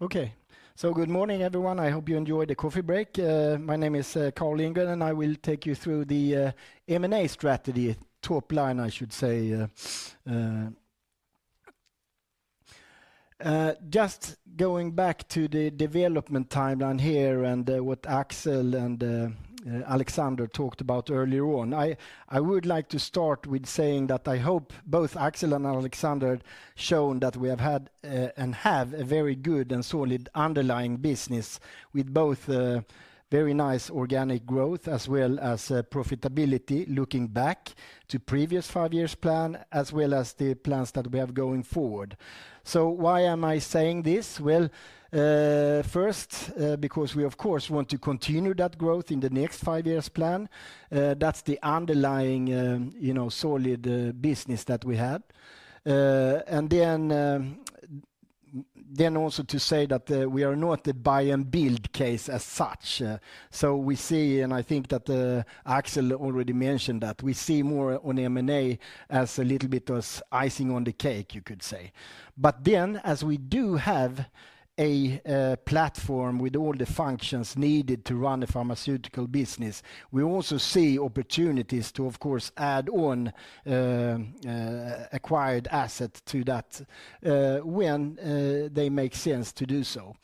Shall we take 10 minutes? It is the plan, I think. Ailyn, now? Yeah, let's decide we have a 10-minute break. It is almost 9:50 A.M., so let's start again at 10:00 A.M. sharp. Okay, good morning, everyone. I hope you enjoyed the coffee break. My name is Carl Lindgren, and I will take you through the M&A strategy. Top line, I should say. Just going back to the development timeline here and what Axel and Alexander talked about earlier on, I would like to start with saying that I hope both Axel and Alexander have shown that we have had and have a very good and solid underlying business with both very nice organic growth as well as profitability looking back to the previous five-year plan as well as the plans that we have going forward. Why am I saying this? First, because we, of course, want to continue that growth in the next five-year plan. That is the underlying, you know, solid business that we had. Also to say that we are not a buy-and-build case as such. We see, and I think that Axel already mentioned that we see more on M&A as a little bit of icing on the cake, you could say. As we do have a platform with all the functions needed to run a pharmaceutical business, we also see opportunities to, of course, add on acquired assets to that when they make sense to do so.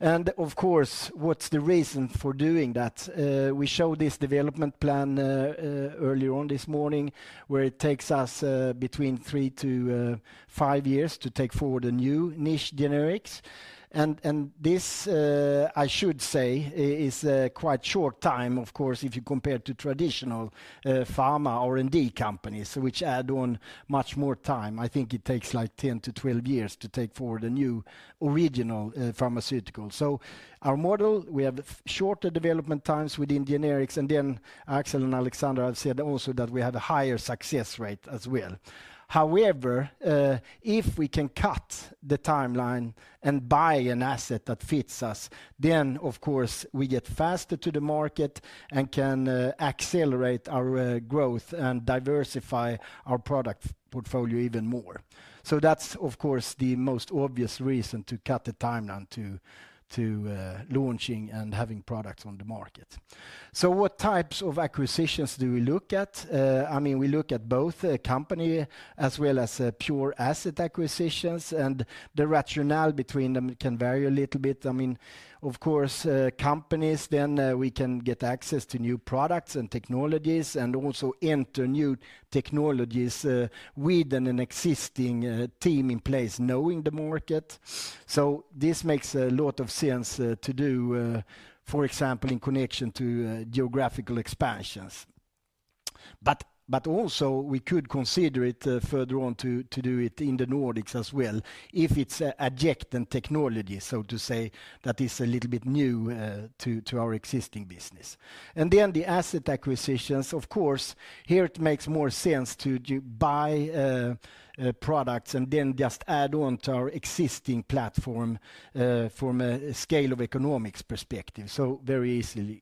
Of course, what is the reason for doing that? We showed this development plan earlier on this morning where it takes us between three to five years to take forward a new niche generics. This, I should say, is quite a short time, of course, if you compare it to traditional pharma R&D companies, which add on much more time. I think it takes like 10 to 12 years to take forward a new original pharmaceutical. Our model, we have shorter development times within generics, and then Axel and Alexander have said also that we have a higher success rate as well. However, if we can cut the timeline and buy an asset that fits us, then, of course, we get faster to the market and can accelerate our growth and diversify our product portfolio even more. That is, of course, the most obvious reason to cut the timeline to launching and having products on the market. What types of acquisitions do we look at? I mean, we look at both company as well as pure asset acquisitions, and the rationale between them can vary a little bit. I mean, of course, companies, then we can get access to new products and technologies and also enter new technologies with an existing team in place knowing the market. This makes a lot of sense to do, for example, in connection to geographical expansions. We could also consider it further on to do it in the Nordics as well if it is a jacked-on technology, so to say, that is a little bit new to our existing business. The asset acquisitions, of course, here it makes more sense to buy products and then just add on to our existing platform from a scale of economics perspective, so very easily.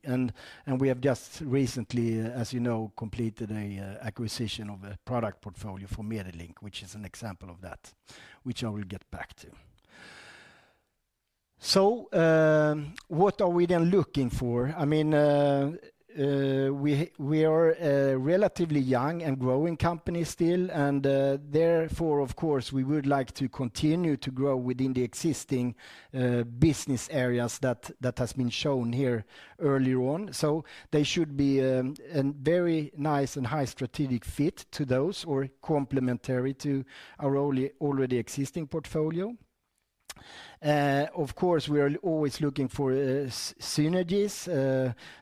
We have just recently, as you know, completed an acquisition of a product portfolio for Medilink, which is an example of that, which I will get back to. What are we then looking for? I mean, we are a relatively young and growing company still, and therefore, of course, we would like to continue to grow within the existing business areas that have been shown here earlier on. They should be a very nice and high strategic fit to those or complementary to our already existing portfolio. Of course, we are always looking for synergies.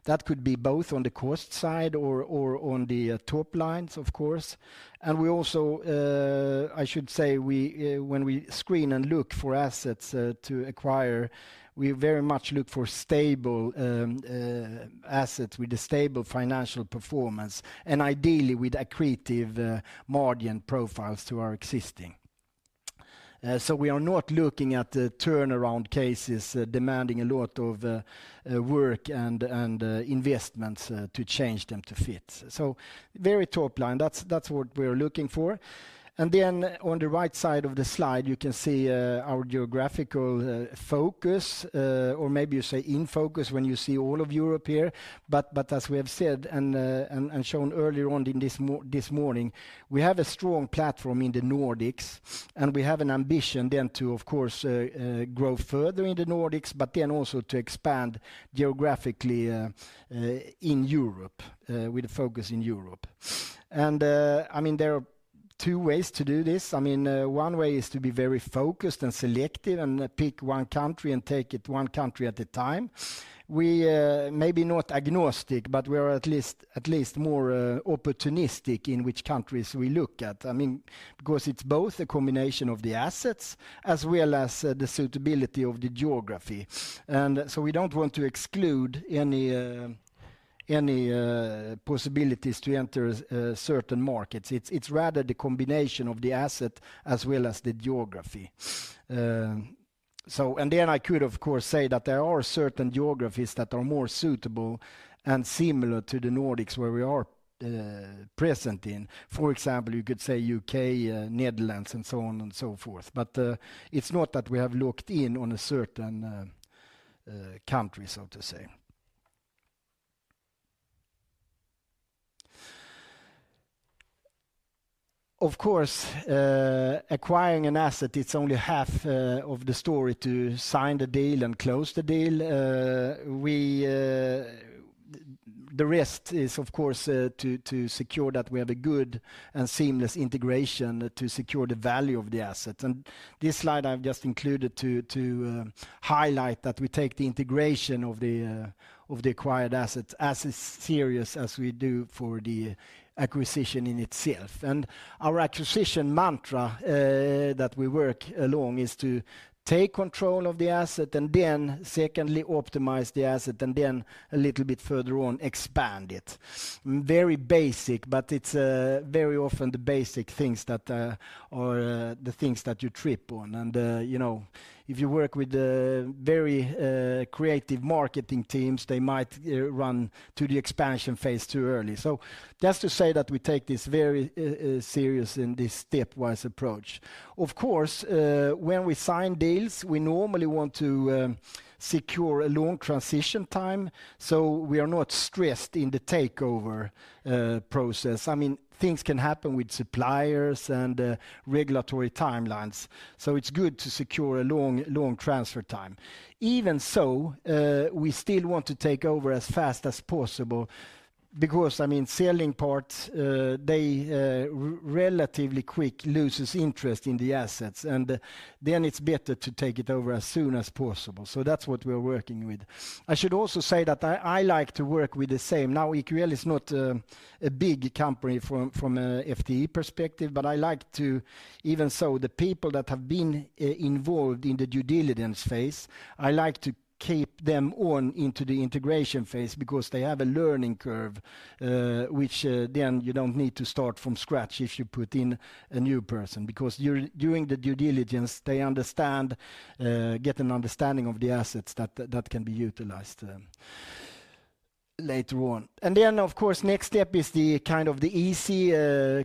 That could be both on the cost side or on the top lines, of course. We also, I should say, when we screen and look for assets to acquire, we very much look for stable assets with a stable financial performance and ideally with accretive margin profiles to our existing. We are not looking at turnaround cases demanding a lot of work and investments to change them to fit. Very top line, that's what we're looking for. On the right side of the slide, you can see our geographical focus, or maybe you say in focus when you see all of Europe here. As we have said and shown earlier on this morning, we have a strong platform in the Nordics, and we have an ambition then to, of course, grow further in the Nordics, but then also to expand geographically in Europe with a focus in Europe. I mean, there are two ways to do this. I mean, one way is to be very focused and selective and pick one country and take it one country at a time. We may be not agnostic, but we are at least more opportunistic in which countries we look at. I mean, because it is both a combination of the assets as well as the suitability of the geography. We do not want to exclude any possibilities to enter certain markets. It is rather the combination of the asset as well as the geography. I could, of course, say that there are certain geographies that are more suitable and similar to the Nordics where we are present in. For example, you could say U.K., Netherlands, and so on and so forth. It is not that we have locked in on a certain country, so to say. Of course, acquiring an asset, it is only half of the story to sign the deal and close the deal. The rest is, of course, to secure that we have a good and seamless integration to secure the value of the asset. This slide I have just included to highlight that we take the integration of the acquired assets as serious as we do for the acquisition in itself. Our acquisition mantra that we work along is to take control of the asset and then secondly optimize the asset and then a little bit further on expand it. Very basic, but it is very often the basic things that are the things that you trip on. If you work with very creative marketing teams, they might run to the expansion phase too early. Just to say that we take this very serious and this stepwise approach. Of course, when we sign deals, we normally want to secure a long transition time. We are not stressed in the takeover process. I mean, things can happen with suppliers and regulatory timelines. It is good to secure a long transfer time. Even so, we still want to take over as fast as possible because, I mean, selling parts, they relatively quick lose interest in the assets. It is better to take it over as soon as possible. That is what we are working with. I should also say that I like to work with the same. Now, EQL is not a big company from an FTE perspective, but I like to, even so, the people that have been involved in the due diligence phase, I like to keep them on into the integration phase because they have a learning curve, which then you do not need to start from scratch if you put in a new person because during the due diligence, they understand, get an understanding of the assets that can be utilized later on. Of course, next step is the kind of the easy,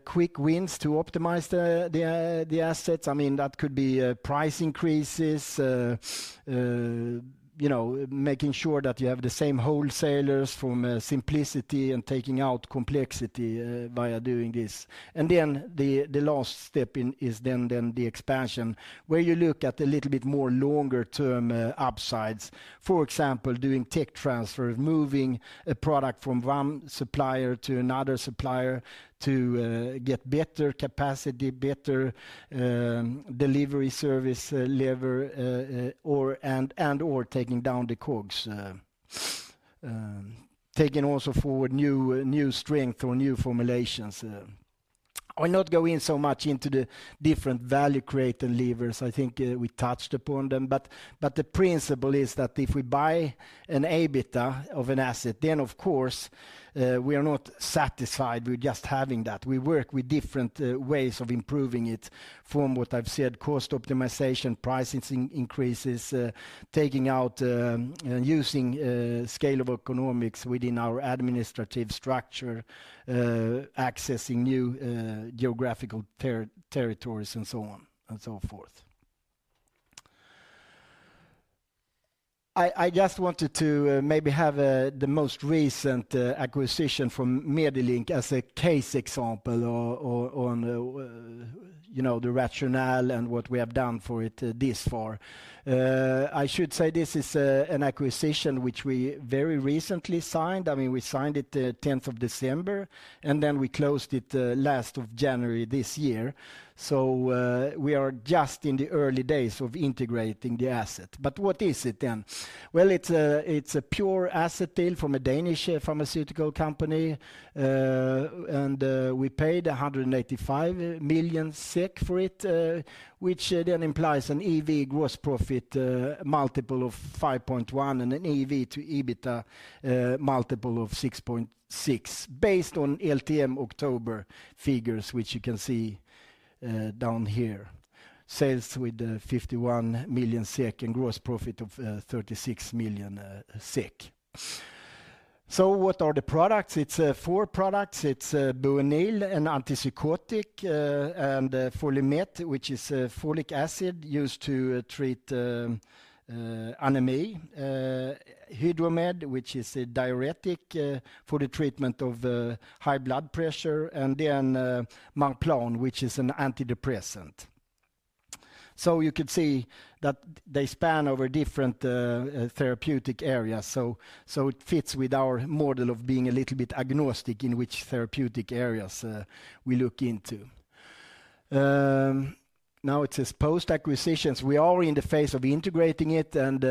quick wins to optimize the assets. I mean, that could be price increases, making sure that you have the same wholesalers for simplicity and taking out complexity via doing this. The last step is the expansion where you look at a little bit more longer-term upsides. For example, doing tech transfer, moving a product from one supplier to another supplier to get better capacity, better delivery service level, and/or taking down the COGS, taking also forward new strength or new formulations. I'll not go in so much into the different value created levers. I think we touched upon them. The principle is that if we buy an EBITDA of an asset, then, of course, we are not satisfied with just having that. We work with different ways of improving it from what I've said, cost optimization, pricing increases, taking out and using scalable economics within our administrative structure, accessing new geographical territories and so on and so forth. I just wanted to maybe have the most recent acquisition from Medilink as a case example on the rationale and what we have done for it this far. I should say this is an acquisition which we very recently signed. I mean, we signed it 10th of December, and then we closed it last of January this year. We are just in the early days of integrating the asset. What is it then? It is a pure asset deal from a Danish pharmaceutical company. We paid 185 million SEK for it, which then implies an EV gross profit multiple of 5.1 and an EV to EBITDA multiple of 6.6 based on LTM October figures, which you can see down here. Sales were 51 million SEK and gross profit of 36 million SEK. What are the products? It is four products. It is Buronil, an antipsychotic, and Folimet, which is a folic acid used to treat anemia, Hydromed, which is a diuretic for the treatment of high blood pressure, and then Marplan, which is an antidepressant. You could see that they span over different therapeutic areas. It fits with our model of being a little bit agnostic in which therapeutic areas we look into. Now it says post-acquisitions. We are in the phase of integrating it, and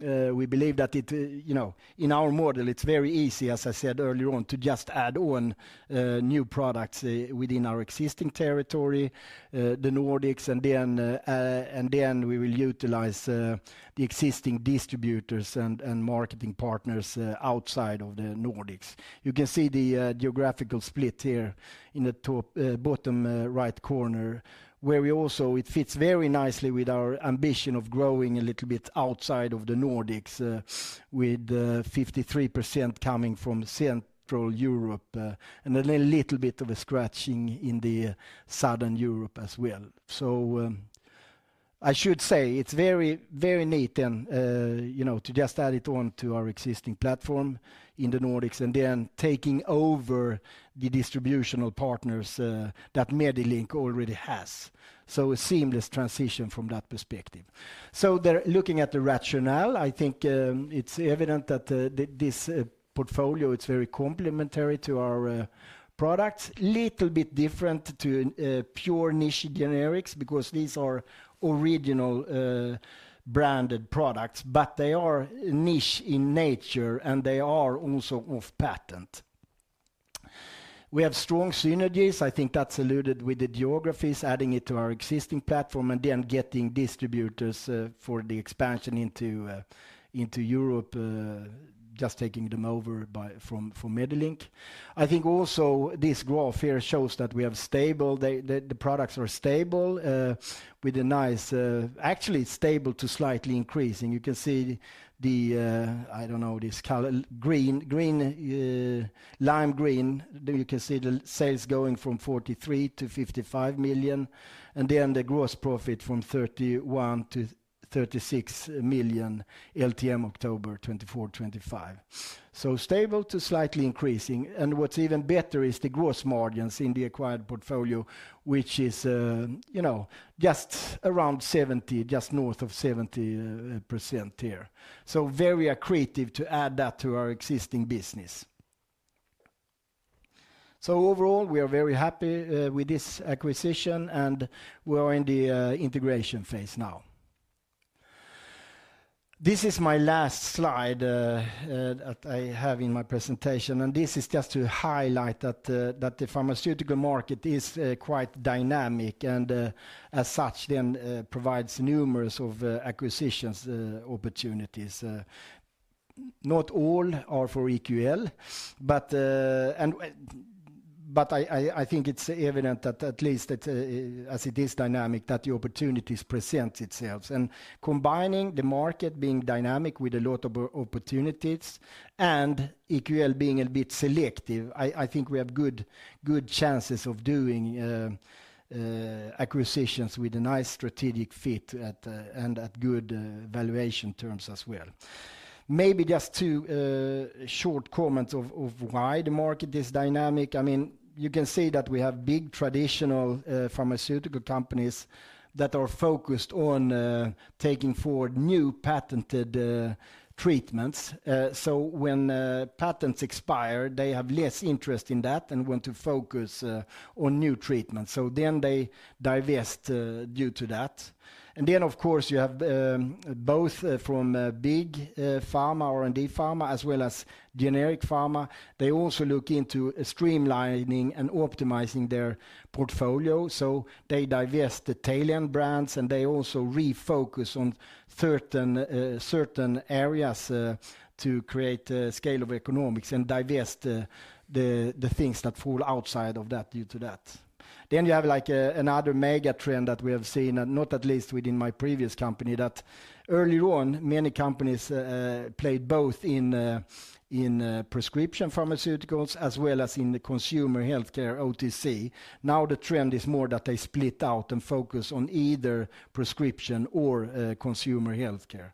we believe that in our model, it's very easy, as I said earlier on, to just add on new products within our existing territory, the Nordics, and then we will utilize the existing distributors and marketing partners outside of the Nordics. You can see the geographical split here in the bottom right corner where we also, it fits very nicely with our ambition of growing a little bit outside of the Nordics with 53% coming from Central Europe and a little bit of a scratching in the Southern Europe as well. I should say it's very, very neat then to just add it on to our existing platform in the Nordics and then taking over the distributional partners that Medilink already has. A seamless transition from that perspective. Looking at the rationale, I think it's evident that this portfolio, it's very complementary to our products, a little bit different to pure niche generics because these are original branded products, but they are niche in nature and they are also off-patent. We have strong synergies. I think that's alluded with the geographies, adding it to our existing platform and then getting distributors for the expansion into Europe just taking them over from Medilink. I think also this graph here shows that we have stable, the products are stable with a nice, actually stable to slightly increasing. You can see the, I don't know, this green, lime green, you can see the sales going from 43 million to 55 million and then the gross profit from 31 million to 36 million LTM October 2024, 2025. So stable to slightly increasing. What's even better is the gross margins in the acquired portfolio, which is just around 70%, just north of 70% here. Very accretive to add that to our existing business. Overall, we are very happy with this acquisition and we are in the integration phase now. This is my last slide that I have in my presentation. This is just to highlight that the pharmaceutical market is quite dynamic and as such then provides numerous acquisition opportunities. Not all are for EQL, but I think it's evident that at least as it is dynamic, the opportunities present itself. Combining the market being dynamic with a lot of opportunities and EQL being a bit selective, I think we have good chances of doing acquisitions with a nice strategic fit and at good valuation terms as well. Maybe just two short comments of why the market is dynamic. I mean, you can see that we have big traditional pharmaceutical companies that are focused on taking forward new patented treatments. When patents expire, they have less interest in that and want to focus on new treatments. They divest due to that. Of course, you have both from big pharma, R&D pharma, as well as generic pharma. They also look into streamlining and optimizing their portfolio. They divest the tail-end brands and they also refocus on certain areas to create scale of economics and divest the things that fall outside of that due to that. You have like another mega trend that we have seen, not at least within my previous company, that early on many companies played both in prescription pharmaceuticals as well as in the consumer healthcare OTC. Now the trend is more that they split out and focus on either prescription or consumer healthcare.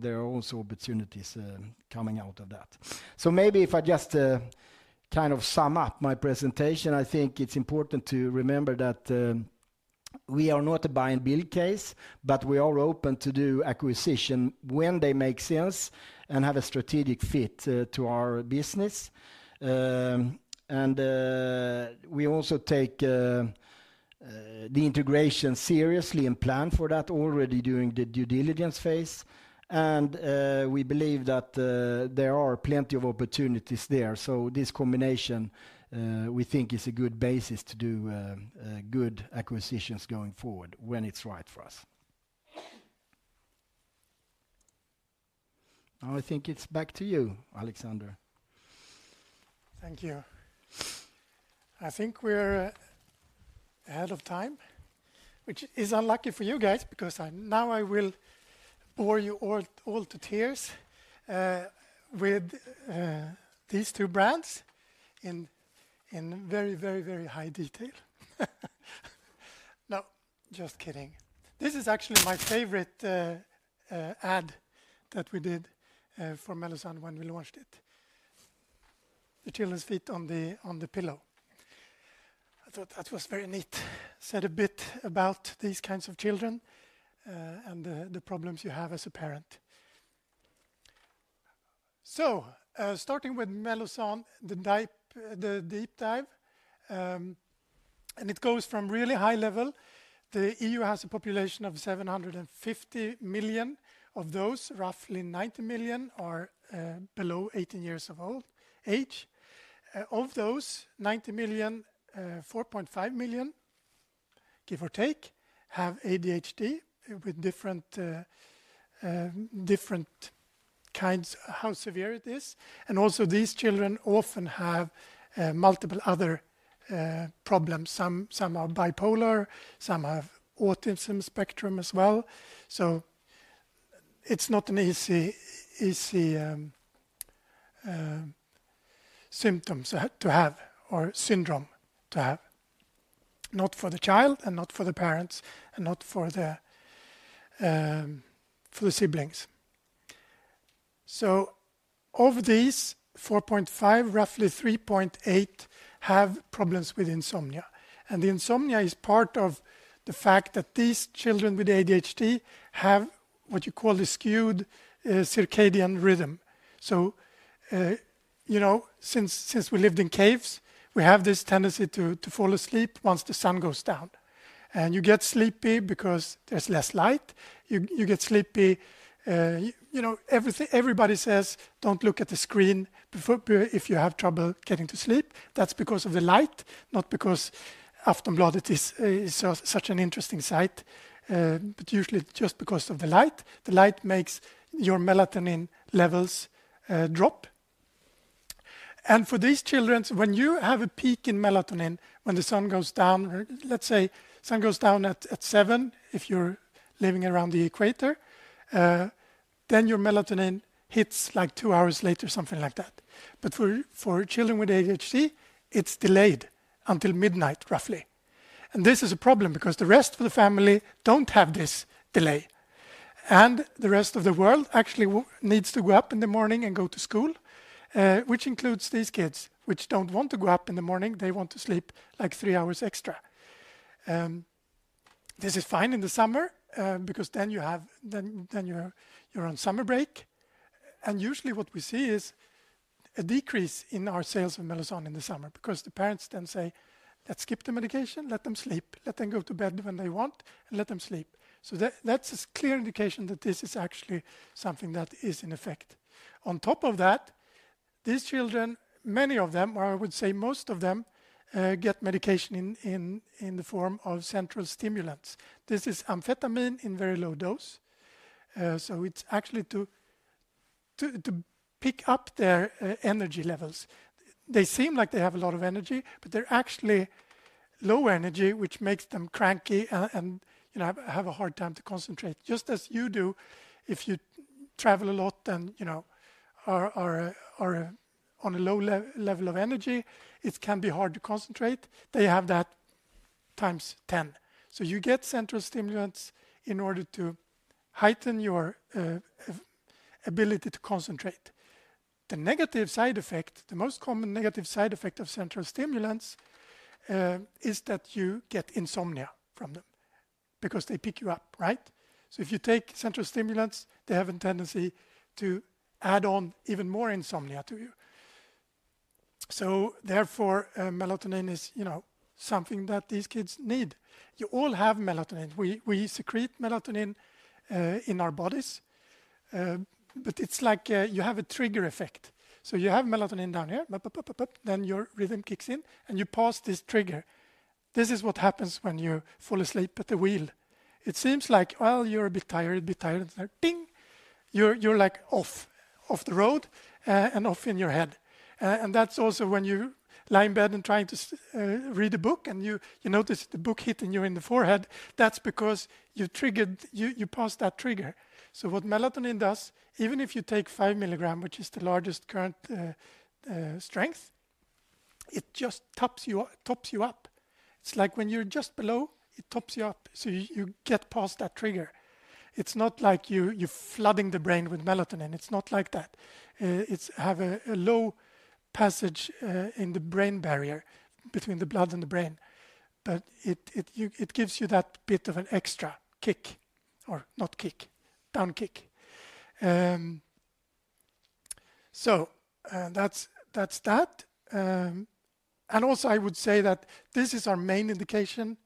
There are also opportunities coming out of that. Maybe if I just kind of sum up my presentation, I think it's important to remember that we are not a buy and build case, but we are open to do acquisition when they make sense and have a strategic fit to our business. We also take the integration seriously and plan for that already during the due diligence phase. We believe that there are plenty of opportunities there. This combination we think is a good basis to do good acquisitions going forward when it's right for us. I think it's back to you, Alexander. Thank you. I think we're ahead of time, which is unlucky for you guys because now I will bore you all to tears with these two brands in very, very, very high detail. No, just kidding. This is actually my favorite ad that we did for Mellozzan when we launched it. The children's feet on the pillow. I thought that was very neat. Said a bit about these kinds of children and the problems you have as a parent. Starting with Mellozzan, the deep dive. It goes from really high level. The EU has a population of 750 million. Of those, roughly 90 million are below 18 years of age. Of those 90 million, 4.5 million, give or take, have ADHD with different kinds of how severe it is. Also, these children often have multiple other problems. Some are bipolar. Some have autism spectrum as well. It is not an easy symptom to have or syndrome to have. Not for the child and not for the parents and not for the siblings. Of these, 4.5, roughly 3.8 have problems with insomnia. The insomnia is part of the fact that these children with ADHD have what you call the skewed circadian rhythm. Since we lived in caves, we have this tendency to fall asleep once the sun goes down. You get sleepy because there is less light. You get sleepy. Everybody says, "Don't look at the screen if you have trouble getting to sleep." That is because of the light, not because after blood, it is such an interesting sight, but usually just because of the light. The light makes your melatonin levels drop. For these children, when you have a peak in melatonin, when the sun goes down, let's say sun goes down at 7:00 P.M. if you're living around the equator, then your melatonin hits like two hours later, something like that. For children with ADHD, it's delayed until midnight roughly. This is a problem because the rest of the family do not have this delay. The rest of the world actually needs to go up in the morning and go to school, which includes these kids which do not want to go up in the morning. They want to sleep like three hours extra. This is fine in the summer because then you're on summer break. Usually what we see is a decrease in our sales of Mellozzan in the summer because the parents then say, "Let's skip the medication, let them sleep, let them go to bed when they want and let them sleep." That is a clear indication that this is actually something that is in effect. On top of that, these children, many of them, or I would say most of them, get medication in the form of central stimulants. This is amphetamine in very low dose. It is actually to pick up their energy levels. They seem like they have a lot of energy, but they are actually low energy, which makes them cranky and have a hard time to concentrate. Just as you do if you travel a lot and are on a low level of energy, it can be hard to concentrate. They have that times 10. You get central stimulants in order to heighten your ability to concentrate. The negative side effect, the most common negative side effect of central stimulants is that you get insomnia from them because they pick you up, right? If you take central stimulants, they have a tendency to add on even more insomnia to you. Therefore, melatonin is something that these kids need. You all have melatonin. We secrete melatonin in our bodies, but it's like you have a trigger effect. You have melatonin down here, then your rhythm kicks in and you pass this trigger. This is what happens when you fall asleep at the wheel. It seems like, well, you're a bit tired, a bit tired, and then bing, you're like off the road and off in your head. That is also when you lie in bed and try to read a book and you notice the book hitting you in the forehead. That is because you triggered, you passed that trigger. What melatonin does, even if you take 5 mg, which is the largest current strength, it just tops you up. It is like when you are just below, it tops you up. You get past that trigger. It is not like you are flooding the brain with melatonin. It is not like that. It has a low passage in the brain barrier between the blood and the brain. It gives you that bit of an extra kick or not kick, down kick. That is that. I would say that this is our main indication,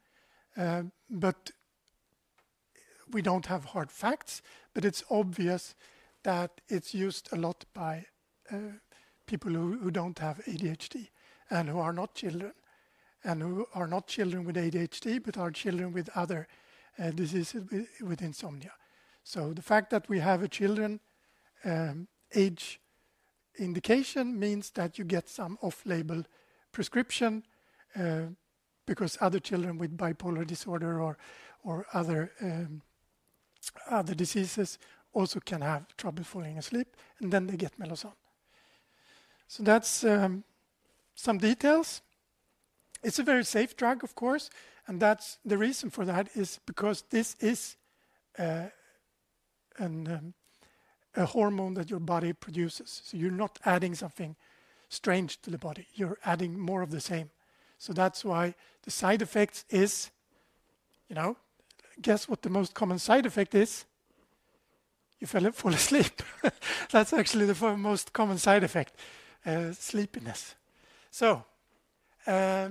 but we don't have hard facts, but it's obvious that it's used a lot by people who don't have ADHD and who are not children and who are not children with ADHD, but are children with other diseases with insomnia. The fact that we have a children age indication means that you get some off-label prescription because other children with bipolar disorder or other diseases also can have trouble falling asleep and then they get Mellozzan. That's some details. It's a very safe drug, of course. The reason for that is because this is a hormone that your body produces. You're not adding something strange to the body. You're adding more of the same. That's why the side effect is, guess what the most common side effect is? You fall asleep. That's actually the most common side effect, sleepiness. The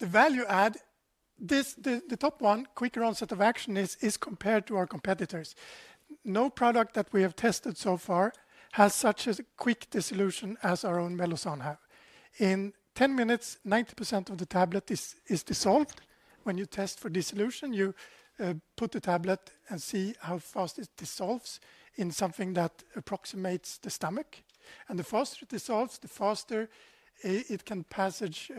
value add, the top one, quicker onset of action is compared to our competitors. No product that we have tested so far has such a quick dissolution as our own Mellozzan has. In 10 minutes, 90% of the tablet is dissolved. When you test for dissolution, you put the tablet and see how fast it dissolves in something that approximates the stomach. The faster it dissolves, the faster it can passage,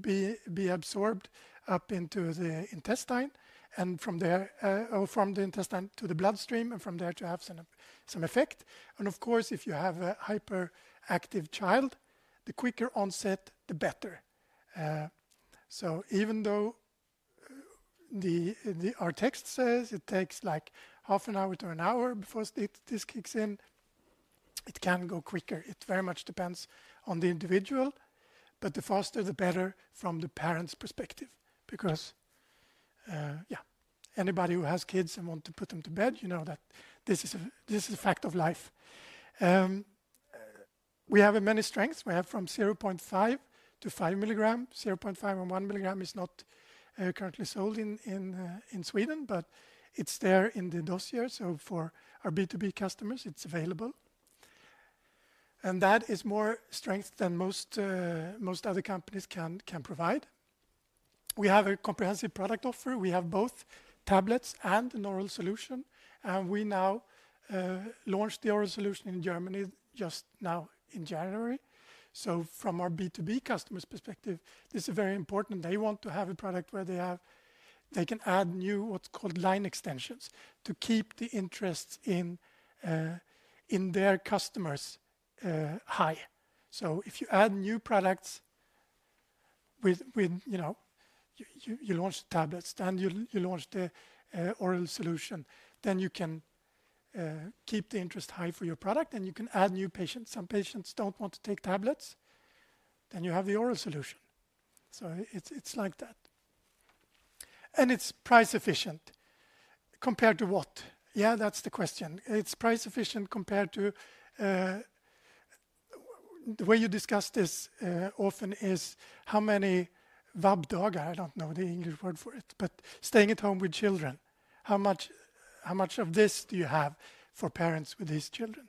be absorbed up into the intestine and from there or from the intestine to the bloodstream and from there to have some effect. Of course, if you have a hyperactive child, the quicker onset, the better. Even though our text says it takes like half an hour to an hour before this kicks in, it can go quicker. It very much depends on the individual, but the faster, the better from the parent's perspective. Because yeah, anybody who has kids and wants to put them to bed, you know that this is a fact of life. We have many strengths. We have from 0.5 mg to 5 mg. 0.5 mg and 1 mg is not currently sold in Sweden, but it's there in the dose here. For our B2B customers, it's available. That is more strength than most other companies can provide. We have a comprehensive product offer. We have both tablets and an oral solution. We now launched the oral solution in Germany just now in January. From our B2B customers' perspective, this is very important. They want to have a product where they can add new what's called line extensions to keep the interest in their customers high. If you add new products, you launch the tablets and you launch the oral solution, you can keep the interest high for your product and you can add new patients. Some patients do not want to take tablets. You have the oral solution. It is like that. It is price efficient compared to what? That is the question. It is price efficient compared to the way you discuss this often, which is how many vabdagar, I do not know the English word for it, but staying at home with children. How much of this do you have for parents with these children?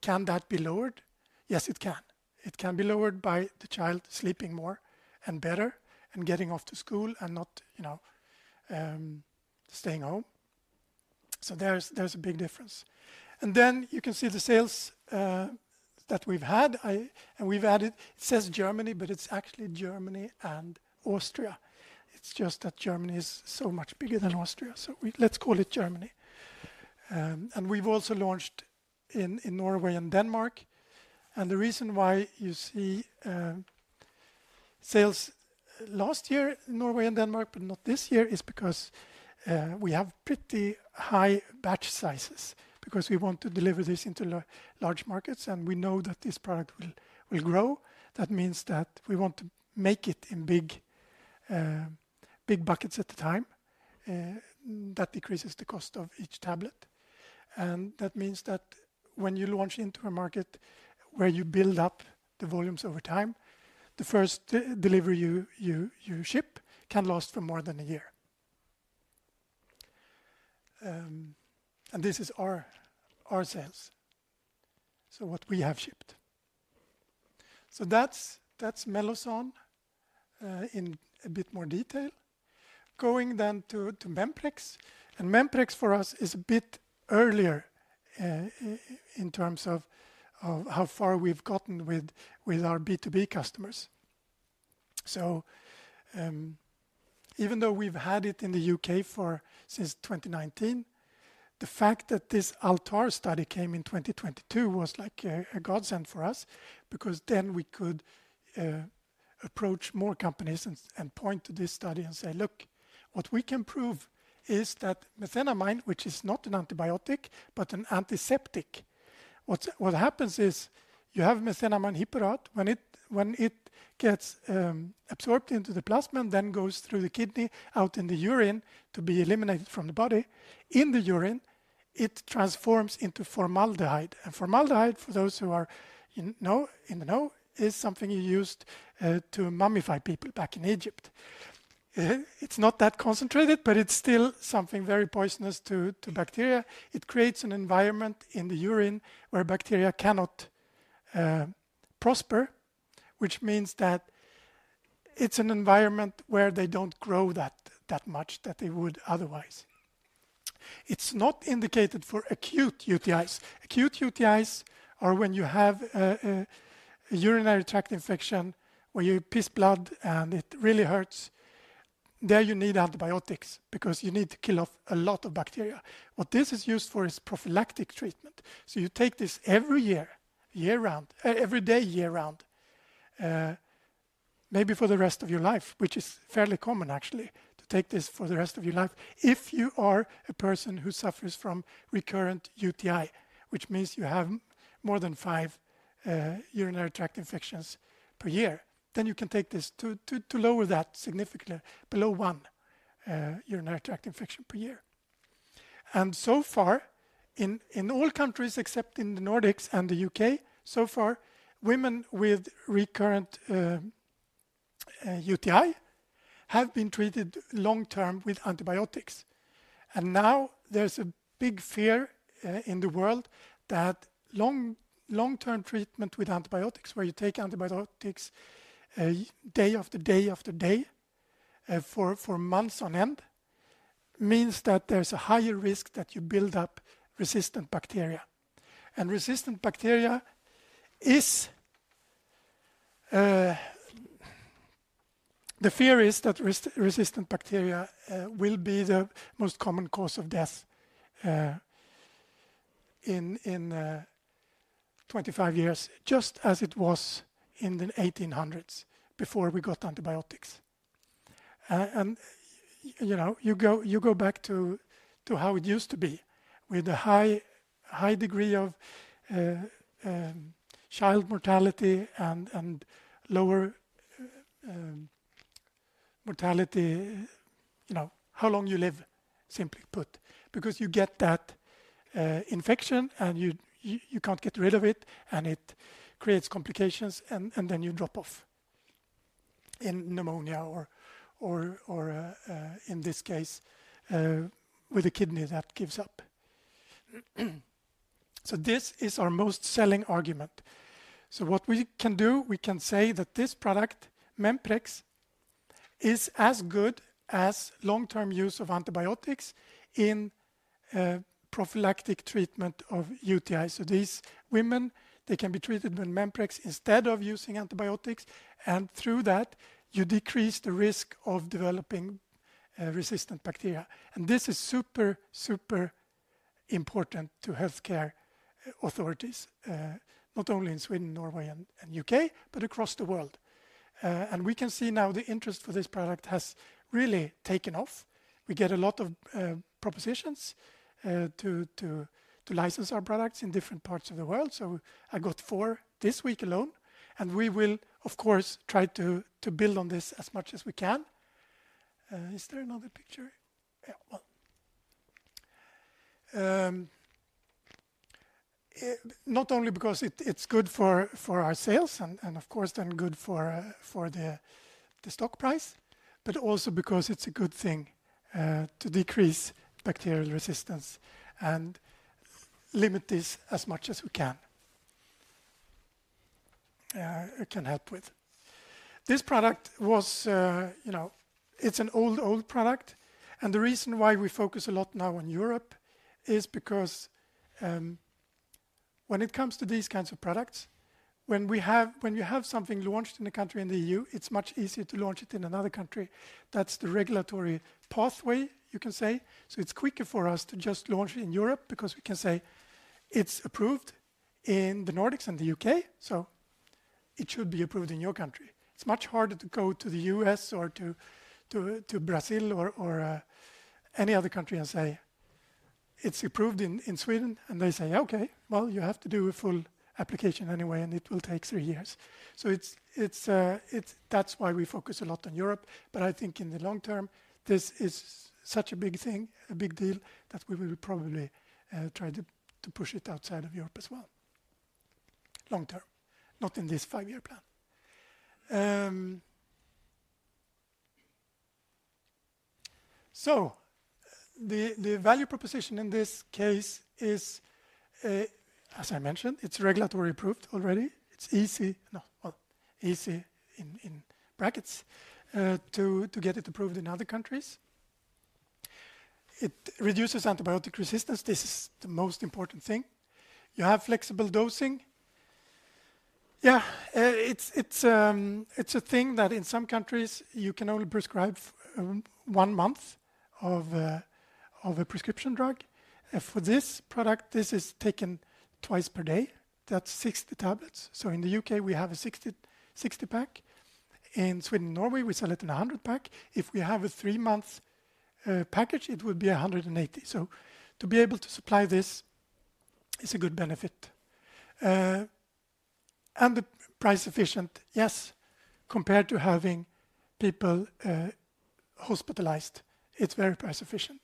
Can that be lowered? Yes, it can. It can be lowered by the child sleeping more and better and getting off to school and not staying home. There is a big difference. You can see the sales that we've had and we've added, it says Germany, but it's actually Germany and Austria. It's just that Germany is so much bigger than Austria. Let's call it Germany. We've also launched in Norway and Denmark. The reason why you see sales last year in Norway and Denmark, but not this year is because we have pretty high batch sizes because we want to deliver this into large markets and we know that this product will grow. That means that we want to make it in big buckets at the time. That decreases the cost of each tablet. That means that when you launch into a market where you build up the volumes over time, the first delivery you ship can last for more than a year. This is our sales, so what we have shipped. That is Mellozzan in a bit more detail. Going then to Memprex. Memprex for us is a bit earlier in terms of how far we've gotten with our B2B customers. Even though we've had it in the U.K. since 2019, the fact that this ALTAR study came in 2022 was like a godsend for us because then we could approach more companies and point to this study and say, "Look, what we can prove is that methenamine, which is not an antibiotic, but an antiseptic." What happens is you have methenamine hippurate. When it gets absorbed into the plasma, then goes through the kidney out in the urine to be eliminated from the body. In the urine, it transforms into formaldehyde. Formaldehyde, for those who are in the know, is something you used to mummify people back in Egypt. It's not that concentrated, but it's still something very poisonous to bacteria. It creates an environment in the urine where bacteria cannot prosper, which means that it's an environment where they don't grow that much that they would otherwise. It's not indicated for acute UTIs. Acute UTIs are when you have a urinary tract infection where you piss blood and it really hurts. There you need antibiotics because you need to kill off a lot of bacteria. What this is used for is prophylactic treatment. You take this every year, year-round, every day, year-round, maybe for the rest of your life, which is fairly common actually to take this for the rest of your life. If you are a person who suffers from recurrent UTI, which means you have more than five urinary tract infections per year, you can take this to lower that significantly below one urinary tract infection per year. In all countries except in the Nordics and the U.K., women with recurrent UTI have been treated long-term with antibiotics. There is a big fear in the world that long-term treatment with antibiotics, where you take antibiotics day after day after day for months on end, means that there is a higher risk that you build up resistant bacteria. The fear is that resistant bacteria will be the most common cause of death in 25 years, just as it was in the 1800s before we got antibiotics. You go back to how it used to be with a high degree of child mortality and lower mortality, how long you live, simply put, because you get that infection and you can't get rid of it and it creates complications and then you drop off in pneumonia or in this case with a kidney that gives up. This is our most selling argument. What we can do, we can say that this product, Memprex, is as good as long-term use of antibiotics in prophylactic treatment of UTI. These women, they can be treated with Memprex instead of using antibiotics. Through that, you decrease the risk of developing resistant bacteria. This is super, super important to healthcare authorities, not only in Sweden, Norway, and U.K., but across the world. We can see now the interest for this product has really taken off. We get a lot of propositions to license our products in different parts of the world. I got four this week alone. We will, of course, try to build on this as much as we can. Is there another picture? Yeah. Not only because it's good for our sales and of course then good for the stock price, but also because it's a good thing to decrease bacterial resistance and limit this as much as we can. It can help with this. This product was, it's an old, old product. The reason why we focus a lot now on Europe is because when it comes to these kinds of products, when you have something launched in a country in the EU, it's much easier to launch it in another country. That's the regulatory pathway, you can say. It's quicker for us to just launch it in Europe because we can say it's approved in the Nordics and the U.K. It should be approved in your country. It's much harder to go to the U.S. or to Brazil or any other country and say it's approved in Sweden. They say, "Okay, you have to do a full application anyway and it will take three years." That's why we focus a lot on Europe. I think in the long term, this is such a big thing, a big deal that we will probably try to push it outside of Europe as well. Long term, not in this five-year plan. The value proposition in this case is, as I mentioned, it's regulatory approved already. It's easy, no, easy in brackets, to get it approved in other countries. It reduces antibiotic resistance. This is the most important thing. You have flexible dosing. Yeah, it's a thing that in some countries you can only prescribe one month of a prescription drug. For this product, this is taken twice per day. That's 60 tablets. In the U.K., we have a 60 pack. In Sweden and Norway, we sell it in a 100 pack. If we have a three-month package, it would be 180. To be able to supply this is a good benefit. The price efficient, yes, compared to having people hospitalized, it's very price efficient.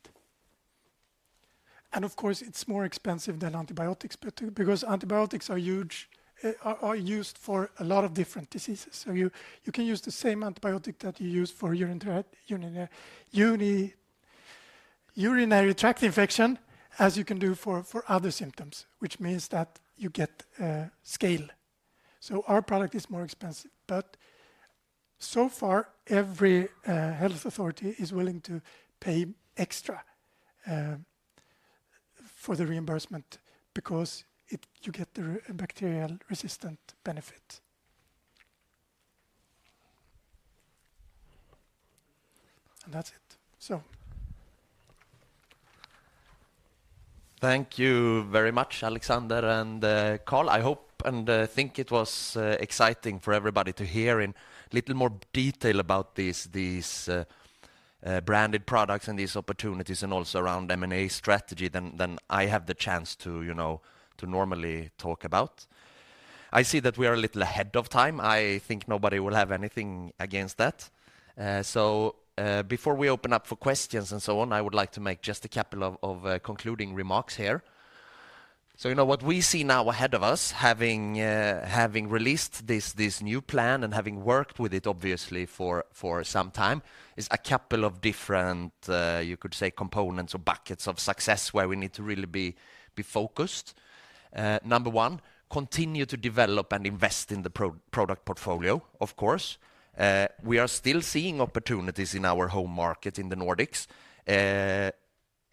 Of course, it's more expensive than antibiotics because antibiotics are used for a lot of different diseases. You can use the same antibiotic that you use for urinary tract infection as you can do for other symptoms, which means that you get scale. Our product is more expensive. So far, every health authority is willing to pay extra for the reimbursement because you get the bacterial resistant benefit. That is it. Thank you very much, Alexander and Carl. I hope and think it was exciting for everybody to hear in a little more detail about these branded products and these opportunities and also around M&A strategy than I have the chance to normally talk about. I see that we are a little ahead of time. I think nobody will have anything against that. Before we open up for questions and so on, I would like to make just a couple of concluding remarks here. What we see now ahead of us, having released this new plan and having worked with it obviously for some time, is a couple of different, you could say, components or buckets of success where we need to really be focused. Number one, continue to develop and invest in the product portfolio, of course. We are still seeing opportunities in our home market in the Nordics.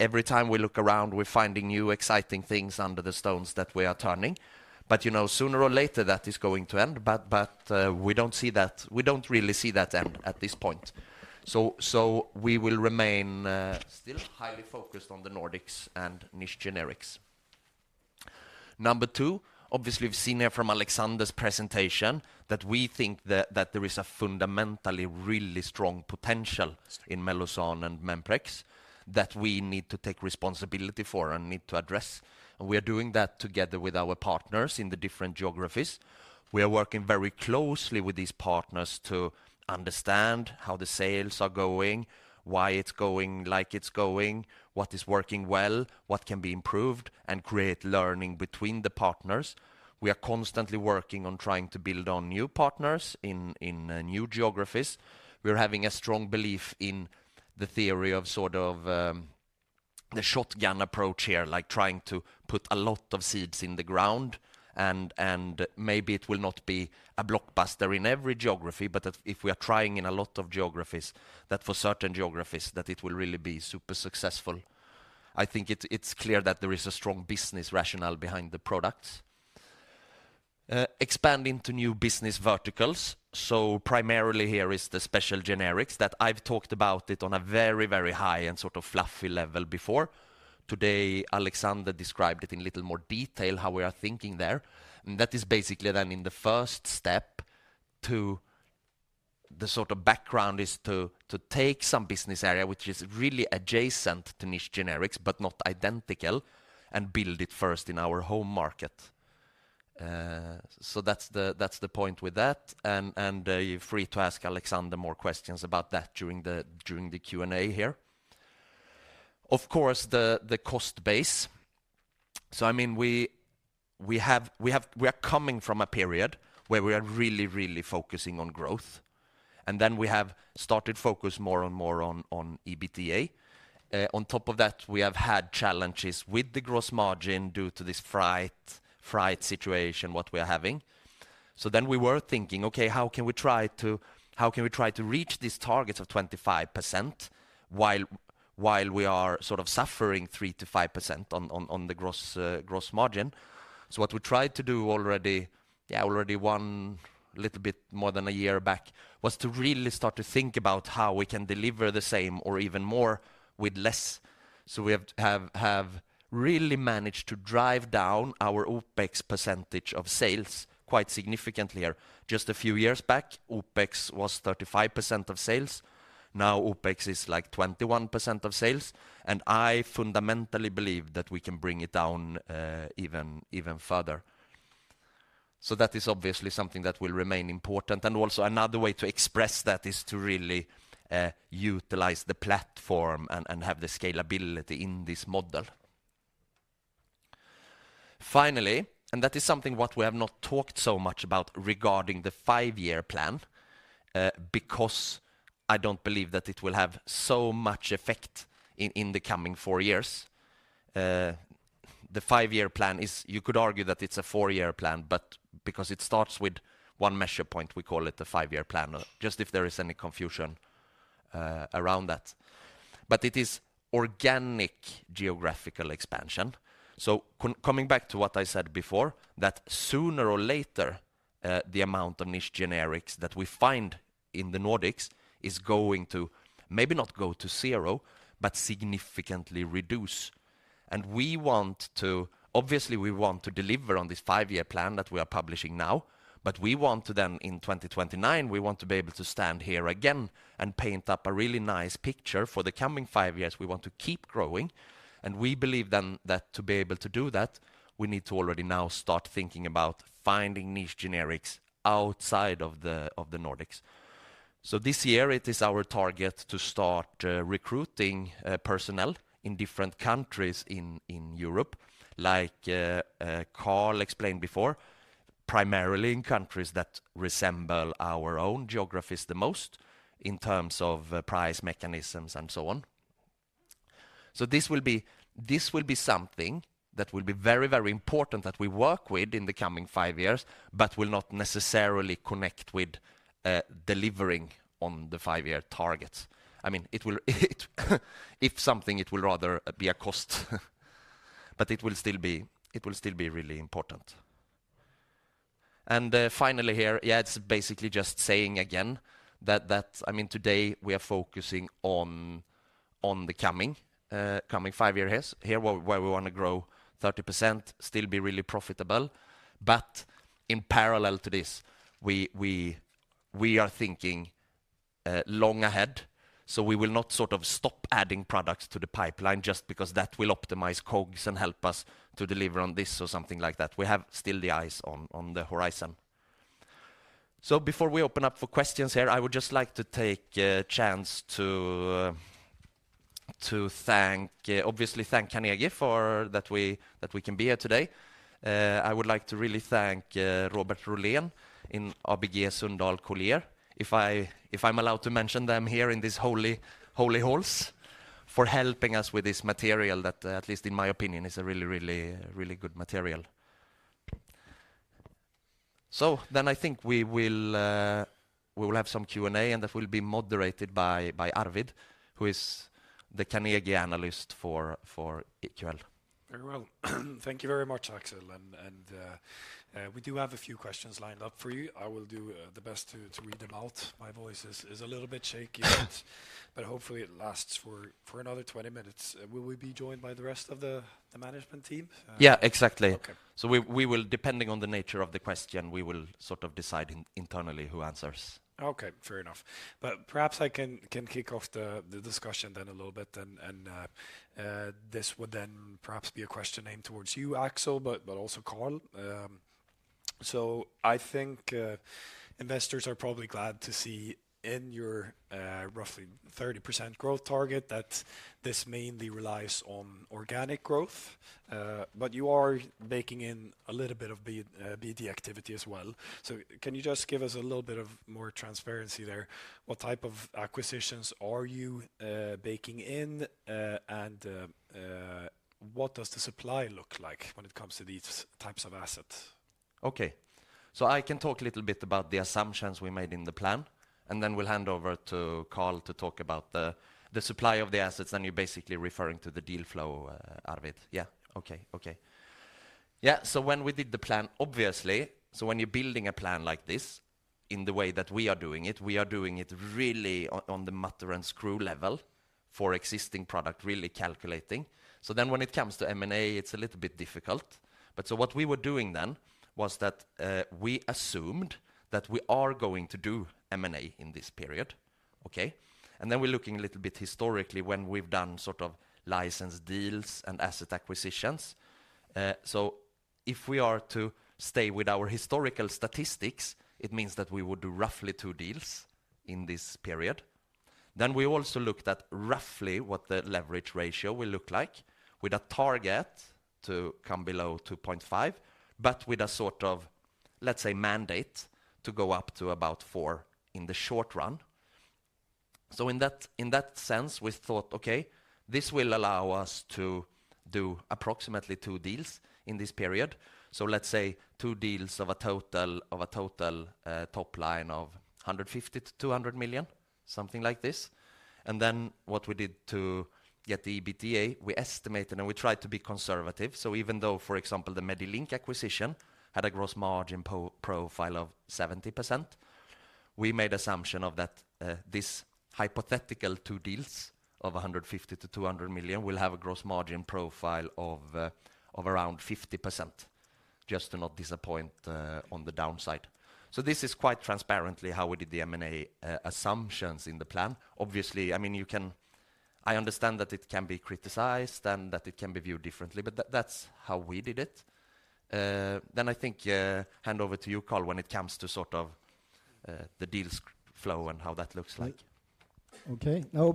Every time we look around, we're finding new exciting things under the stones that we are turning. Sooner or later, that is going to end. We do not see that, we do not really see that end at this point. We will remain still highly focused on the Nordics and niche generics. Number two, obviously we have seen here from Alexander's presentation that we think that there is a fundamentally really strong potential in Mellozzan and Memprex that we need to take responsibility for and need to address. We are doing that together with our partners in the different geographies. We are working very closely with these partners to understand how the sales are going, why it is going like it is going, what is working well, what can be improved, and create learning between the partners. We are constantly working on trying to build on new partners in new geographies. We have a strong belief in the theory of sort of the shotgun approach here, like trying to put a lot of seeds in the ground. Maybe it will not be a blockbuster in every geography, but if we are trying in a lot of geographies, for certain geographies, it will really be super successful. I think it is clear that there is a strong business rationale behind the products. Expanding to new business verticals. Primarily here is the special generics that I have talked about on a very, very high and sort of fluffy level before. Today, Alexander described it in a little more detail how we are thinking there. That is basically then in the first step to the sort of background, to take some business area which is really adjacent to niche generics, but not identical, and build it first in our home market. That is the point with that. You are free to ask Alexander more questions about that during the Q&A here. Of course, the cost base. I mean, we are coming from a period where we are really, really focusing on growth. We have started focusing more and more on EBITDA. On top of that, we have had challenges with the gross margin due to this freight situation we are having. We were thinking, "Okay, how can we try to reach these targets of 25% while we are sort of suffering 3%-5% on the gross margin?" What we tried to do already, yeah, already a little bit more than a year back was to really start to think about how we can deliver the same or even more with less. We have really managed to drive down our OpEx percentage of sales quite significantly here. Just a few years back, OpEx was 35% of sales. Now OpEx is like 21% of sales. I fundamentally believe that we can bring it down even further. That is obviously something that will remain important. Also, another way to express that is to really utilize the platform and have the scalability in this model. Finally, that is something we have not talked so much about regarding the five-year plan because I do not believe that it will have so much effect in the coming four years. The five-year plan is, you could argue that it is a four-year plan, but because it starts with one measure point, we call it the five-year plan, just if there is any confusion around that. It is organic geographical expansion. Coming back to what I said before, that sooner or later, the amount of niche generics that we find in the Nordics is going to maybe not go to zero, but significantly reduce. We want to, obviously we want to deliver on this five-year plan that we are publishing now, but we want to then in 2029, we want to be able to stand here again and paint up a really nice picture for the coming five years. We want to keep growing. We believe then that to be able to do that, we need to already now start thinking about finding niche generics outside of the Nordics. This year, it is our target to start recruiting personnel in different countries in Europe, like Carl explained before, primarily in countries that resemble our own geographies the most in terms of price mechanisms and so on. This will be something that will be very, very important that we work with in the coming five years, but will not necessarily connect with delivering on the five-year targets. I mean, if something, it will rather be a cost, but it will still be really important. Finally here, yeah, it is basically just saying again that, I mean, today we are focusing on the coming five years here where we want to grow 30%, still be really profitable. In parallel to this, we are thinking long ahead. We will not sort of stop adding products to the pipeline just because that will optimize COGS and help us to deliver on this or something like that. We have still the eyes on the horizon. Before we open up for questions here, I would just like to take a chance to thank, obviously thank Carnegie for that we can be here today. I would like to really thank Robert Rohlén in ABG Sundal Collier, if I'm allowed to mention them here in these holy halls for helping us with this material that, at least in my opinion, is a really, really, really good material. I think we will have some Q&A and that will be moderated by Arvid, who is the Carnegie analyst for EQL. Very well. Thank you very much, Axel. We do have a few questions lined up for you. I will do the best to read them out. My voice is a little bit shaky, but hopefully it lasts for another 20 minutes. Will we be joined by the rest of the management team? Yeah, exactly. We will, depending on the nature of the question, sort of decide internally who answers. Okay, fair enough. Perhaps I can kick off the discussion then a little bit. This would then perhaps be a question aimed towards you, Axel, but also Carl. I think investors are probably glad to see in your roughly 30% growth target that this mainly relies on organic growth. You are baking in a little bit of BD activity as well. Can you just give us a little bit more transparency there? What type of acquisitions are you baking in? What does the supply look like when it comes to these types of assets? Okay. I can talk a little bit about the assumptions we made in the plan. Then we'll hand over to Carl to talk about the supply of the assets. You're basically referring to the deal flow, Arvid. Yeah. Okay. Okay. Yeah. When we did the plan, obviously, when you're building a plan like this, in the way that we are doing it, we are doing it really on the mutter and screw level for existing product, really calculating. When it comes to M&A, it's a little bit difficult. What we were doing then was that we assumed that we are going to do M&A in this period. Okay. Then we're looking a little bit historically when we've done sort of license deals and asset acquisitions. If we are to stay with our historical statistics, it means that we would do roughly two deals in this period. We also looked at roughly what the leverage ratio will look like with a target to come below 2.5, but with a sort of, let's say, mandate to go up to about 4 in the short run. In that sense, we thought, okay, this will allow us to do approximately two deals in this period. Let's say two deals of a total top line of 150 million-200 million, something like this. What we did to get the EBITDA, we estimated and we tried to be conservative. Even though, for example, the Medilink acquisition had a gross margin profile of 70%, we made the assumption that these hypothetical two deals of 150 million-200 million will have a gross margin profile of around 50%, just to not disappoint on the downside. This is quite transparently how we did the M&A assumptions in the plan. Obviously, I mean, I understand that it can be criticized and that it can be viewed differently, but that's how we did it. I think hand over to you, Carl, when it comes to sort of the deal flow and how that looks like. Okay. No,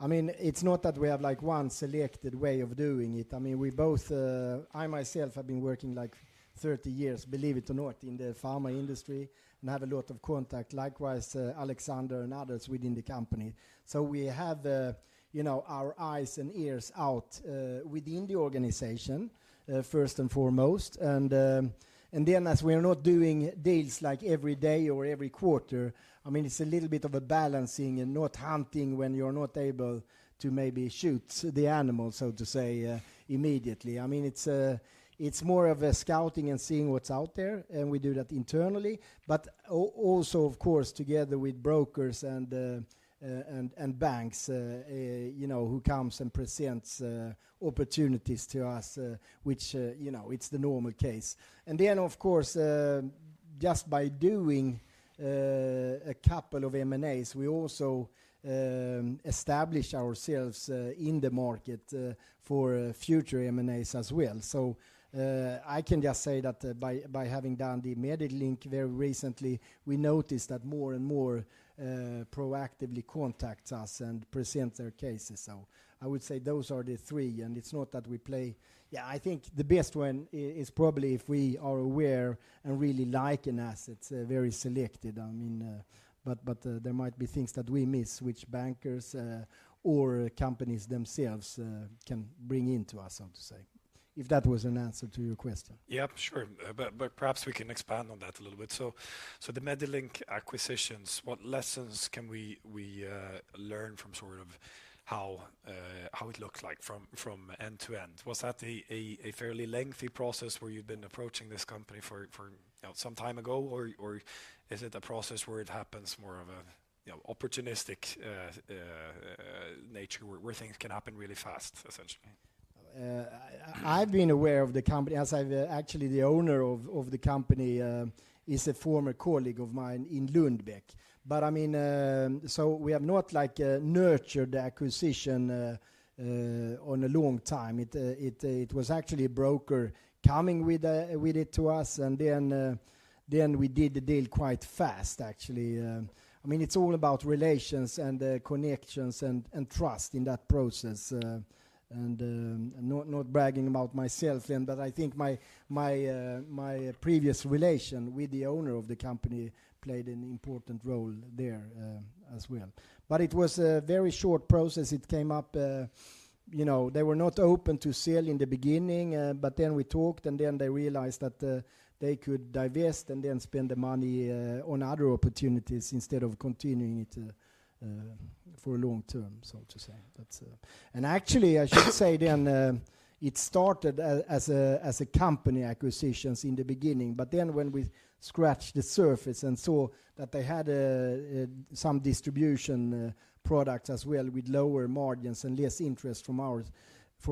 I mean, it's not that we have like one selected way of doing it. I mean, we both, I myself have been working like 30 years, believe it or not, in the pharma industry and have a lot of contact, likewise Alexander and others within the company. We have our eyes and ears out within the organization, first and foremost. As we are not doing deals like every day or every quarter, I mean, it's a little bit of a balancing and not hunting when you're not able to maybe shoot the animal, so to say, immediately. I mean, it's more of a scouting and seeing what's out there. We do that internally, but also, of course, together with brokers and banks who come and present opportunities to us, which is the normal case. Of course, just by doing a couple of M&As, we also establish ourselves in the market for future M&As as well. I can just say that by having done the Medilink very recently, we noticed that more and more proactively contact us and present their cases. I would say those are the three. It is not that we play, yeah, I think the best one is probably if we are aware and really like an asset, very selective. I mean, but there might be things that we miss which bankers or companies themselves can bring into us, so to say, if that was an answer to your question. Yep, sure. Perhaps we can expand on that a little bit. The Medilink acquisitions, what lessons can we learn from sort of how it looks like from end to end? Was that a fairly lengthy process where you have been approaching this company for some time ago, or is it a process where it happens more of an opportunistic nature where things can happen really fast, essentially? I have been aware of the company as I have actually the owner of the company is a former colleague of mine in Lundbeck. I mean, we have not nurtured the acquisition for a long time. It was actually a broker coming with it to us. We did the deal quite fast, actually. I mean, it's all about relations and connections and trust in that process. Not bragging about myself, but I think my previous relation with the owner of the company played an important role there as well. It was a very short process. It came up, they were not open to sell in the beginning, but we talked and then they realized that they could divest and then spend the money on other opportunities instead of continuing it for a long term, so to say. Actually, I should say it started as a company acquisition in the beginning, but when we scratched the surface and saw that they had some distribution products as well with lower margins and less interest from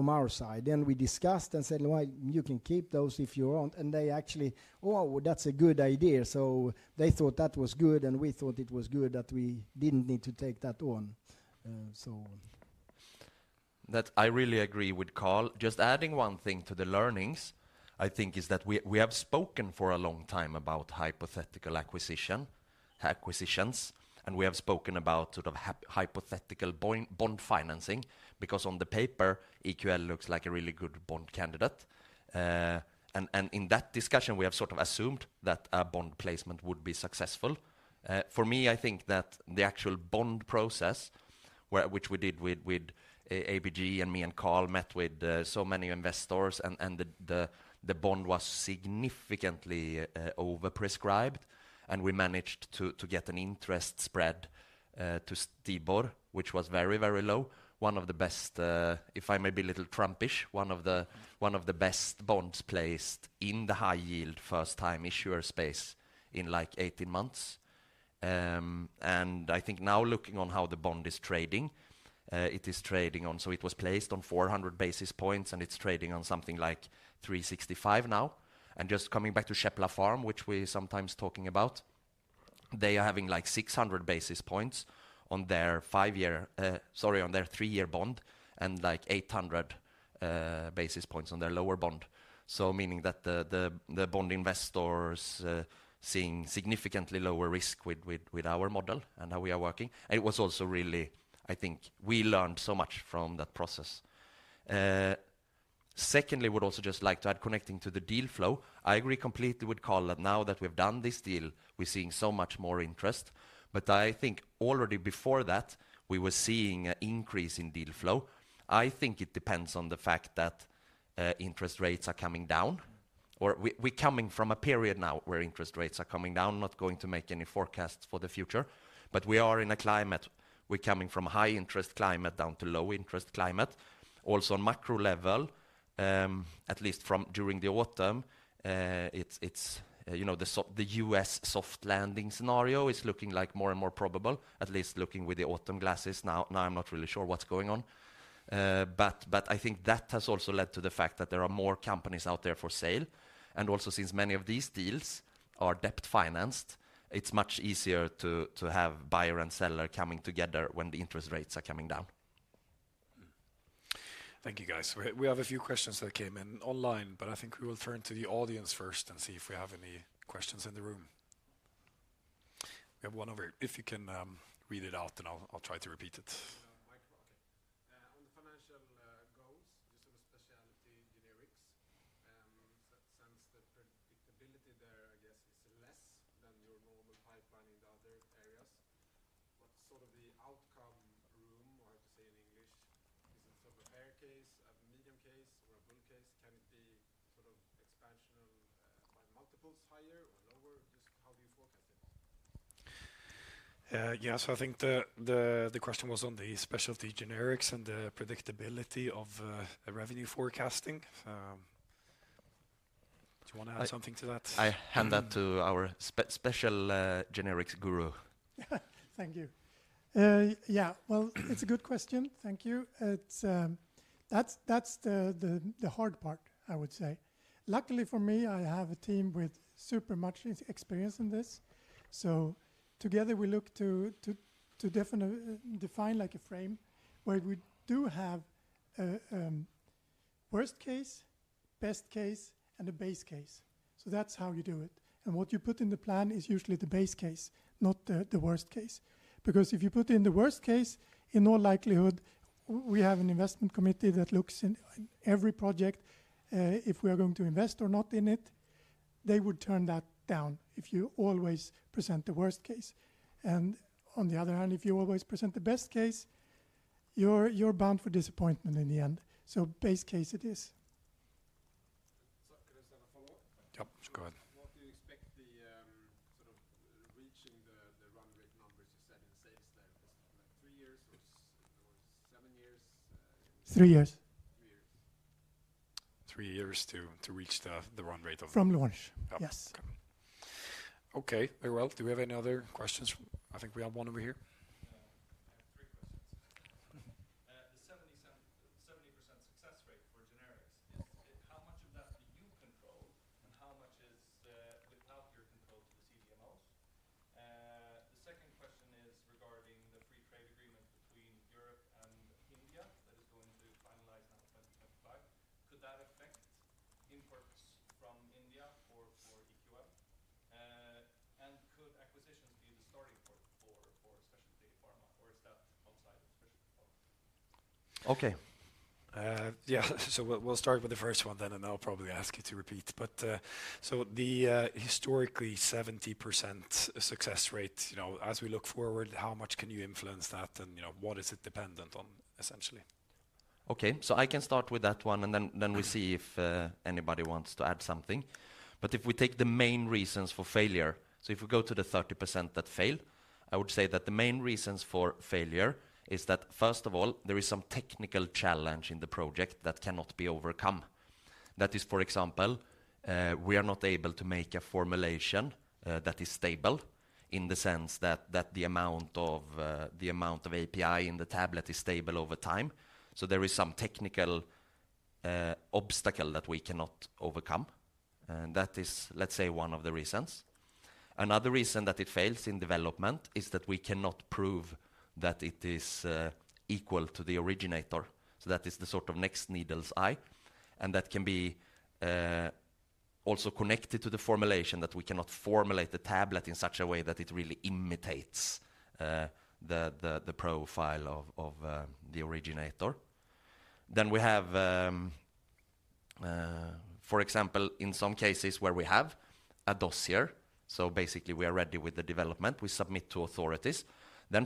our side, we discussed and said, "You can keep those if you want." They actually said, "Oh, that's a good idea." They thought that was good and we thought it was good that we did not need to take that on. I really agree with Carl. Just adding one thing to the learnings, I think, is that we have spoken for a long time about hypothetical acquisitions, and we have spoken about sort of hypothetical bond financing because on paper, EQL looks like a really good bond candidate. In that discussion, we have assumed that a bond placement would be successful. For me, I think that the actual bond process, which we did with ABG, and me and Carl met with so many investors, and the bond was significantly overprescribed, and we managed to get an interest spread to STIBOR, which was very, very low. One of the best, if I may be a little trumpish, one of the best bonds placed in the high-yield first-time issuer space in like 18 months. I think now looking on how the bond is trading, it is trading on, so it was placed on 400 basis points and it is trading on something like 365 now. Just coming back to CHEPLAPHARM, which we sometimes talking about, they are having like 600 basis points on their five-year, sorry, on their three-year bond and like 800 basis points on their lower bond. Meaning that the bond investors are seeing significantly lower risk with our model and how we are working. It was also really, I think we learned so much from that process. Secondly, I would also just like to add, connecting to the deal flow, I agree completely with Carl that now that we've done this deal, we're seeing so much more interest. I think already before that, we were seeing an increase in deal flow. I think it depends on the fact that interest rates are coming down, or we're coming from a period now where interest rates are coming down. I'm not going to make any forecasts for the future. We are in a climate, we're coming from a high-interest climate down to a low-interest climate. Also on macro level, at least from during the autumn, the U.S. soft landing scenario is looking like more and more probable, at least looking with the autumn glasses. Now I'm not really sure what's going on. I think that has also led to the fact that there are more companies out there for sale. Also since many of these deals are debt financed, it's much easier to have buyer and seller coming together when the interest rates are coming down. Thank you, guys. We have a few questions that came in online, but I think we will turn to the audience first and see if we have any questions in the room. We have one over here. If you can read it out and I'll try to repeat it. On the financial goals, just sort of specialty generics, since the predictability there, I guess, is less than your normal pipeline in the other areas. What sort of the outcome room, or how to say in English, is it sort of a fair case, a medium case, or a bull case? Can it be sort of expansion by multiples higher or lower? Just how do you forecast it? Yeah, I think the question was on the specialty generics and the predictability of revenue forecasting. Do you want to add something to that? I hand that to our special generics guru. Thank you. Yeah, it is a good question. Thank you. That is the hard part, I would say. Luckily for me, I have a team with super much experience in this. Together, we look to define like a frame where we do have worst case, best case, and a base case. That is how you do it. What you put in the plan is usually the base case, not the worst case. Because if you put in the worst case, in all likelihood, we have an investment committee that looks in every project if we are going to invest or not in it. They would turn that down if you always present the worst case. On the other hand, if you always present the best case, you are bound for disappointment in the end. So base case it is. Can I just have a follow-up? Yep, go ahead. What do you expect the sort of reaching the run rate numbers you said in sales there? Is it like three years or seven years? Three years. Three years to reach the run rate of. From launch. Yes. Okay. Very well. Do we have any other questions? I think we have one over here. I have three questions. The 70% success rate for generics, how much of that do you control and how much is without your control to the CDMOs? The second question is regarding the free trade agreement between Europe and India that is going to finalize now in 2025. Could that affect imports from India for EQL? And could acquisitions be the starting point for specialty pharma, or is that outside of specialty pharma? Okay. Yeah. We will start with the first one then, and I'll probably ask you to repeat. But the historically 70% success rate, as we look forward, how much can you influence that and what is it dependent on, essentially? Okay. I can start with that one, and then we see if anybody wants to add something. If we take the main reasons for failure, if we go to the 30% that fail, I would say that the main reasons for failure is that, first of all, there is some technical challenge in the project that cannot be overcome. That is, for example, we are not able to make a formulation that is stable in the sense that the amount of API in the tablet is stable over time. There is some technical obstacle that we cannot overcome. That is, let's say, one of the reasons. Another reason that it fails in development is that we cannot prove that it is equal to the originator. That is the sort of next needle's eye. That can be also connected to the formulation that we cannot formulate the tablet in such a way that it really imitates the profile of the originator. For example, in some cases where we have a dossier, so basically we are ready with the development, we submit to authorities.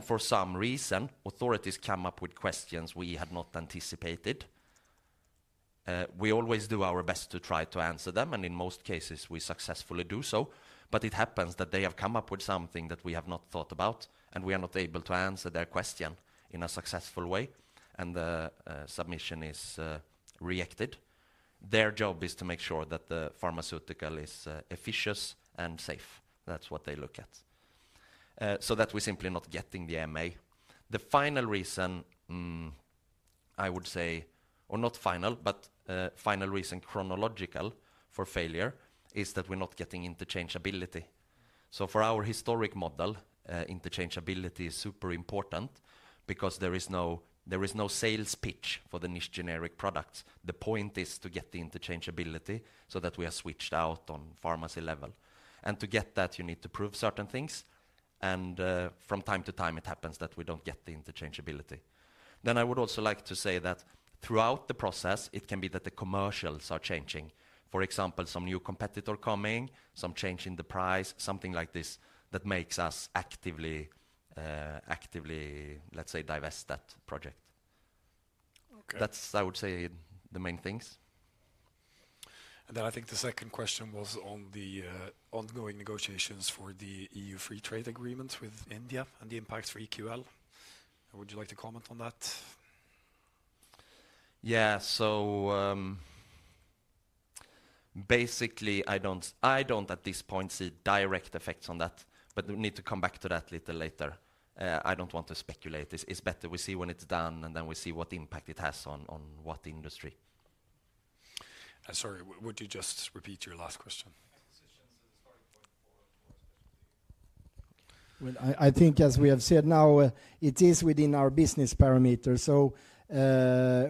For some reason, authorities come up with questions we had not anticipated. We always do our best to try to answer them, and in most cases, we successfully do so. It happens that they have come up with something that we have not thought about, and we are not able to answer their question in a successful way, and the submission is rejected. Their job is to make sure that the pharmaceutical is efficient and safe. That is what they look at. We are simply not getting the MA. The final reason, I would say, or not final, but final reason chronological for failure is that we're not getting interchangeability. For our historic model, interchangeability is super important because there is no sales pitch for the niche generic products. The point is to get the interchangeability so that we are switched out on pharmacy level. To get that, you need to prove certain things. From time to time, it happens that we don't get the interchangeability. I would also like to say that throughout the process, it can be that the commercials are changing. For example, some new competitor coming, some change in the price, something like this that makes us actively, let's say, divest that project. That's, I would say, the main things. I think the second question was on the ongoing negotiations for the EU free trade agreements with India and the impacts for EQL. Would you like to comment on that? Yeah. Basically, I do not at this point see direct effects on that, but we need to come back to that a little later. I do not want to speculate. It is better we see when it is done, and then we see what impact it has on what industry. Sorry, would you just repeat your last question? Acquisitions as a starting point for specialty pharma. I think as we have said now, it is within our business parameters.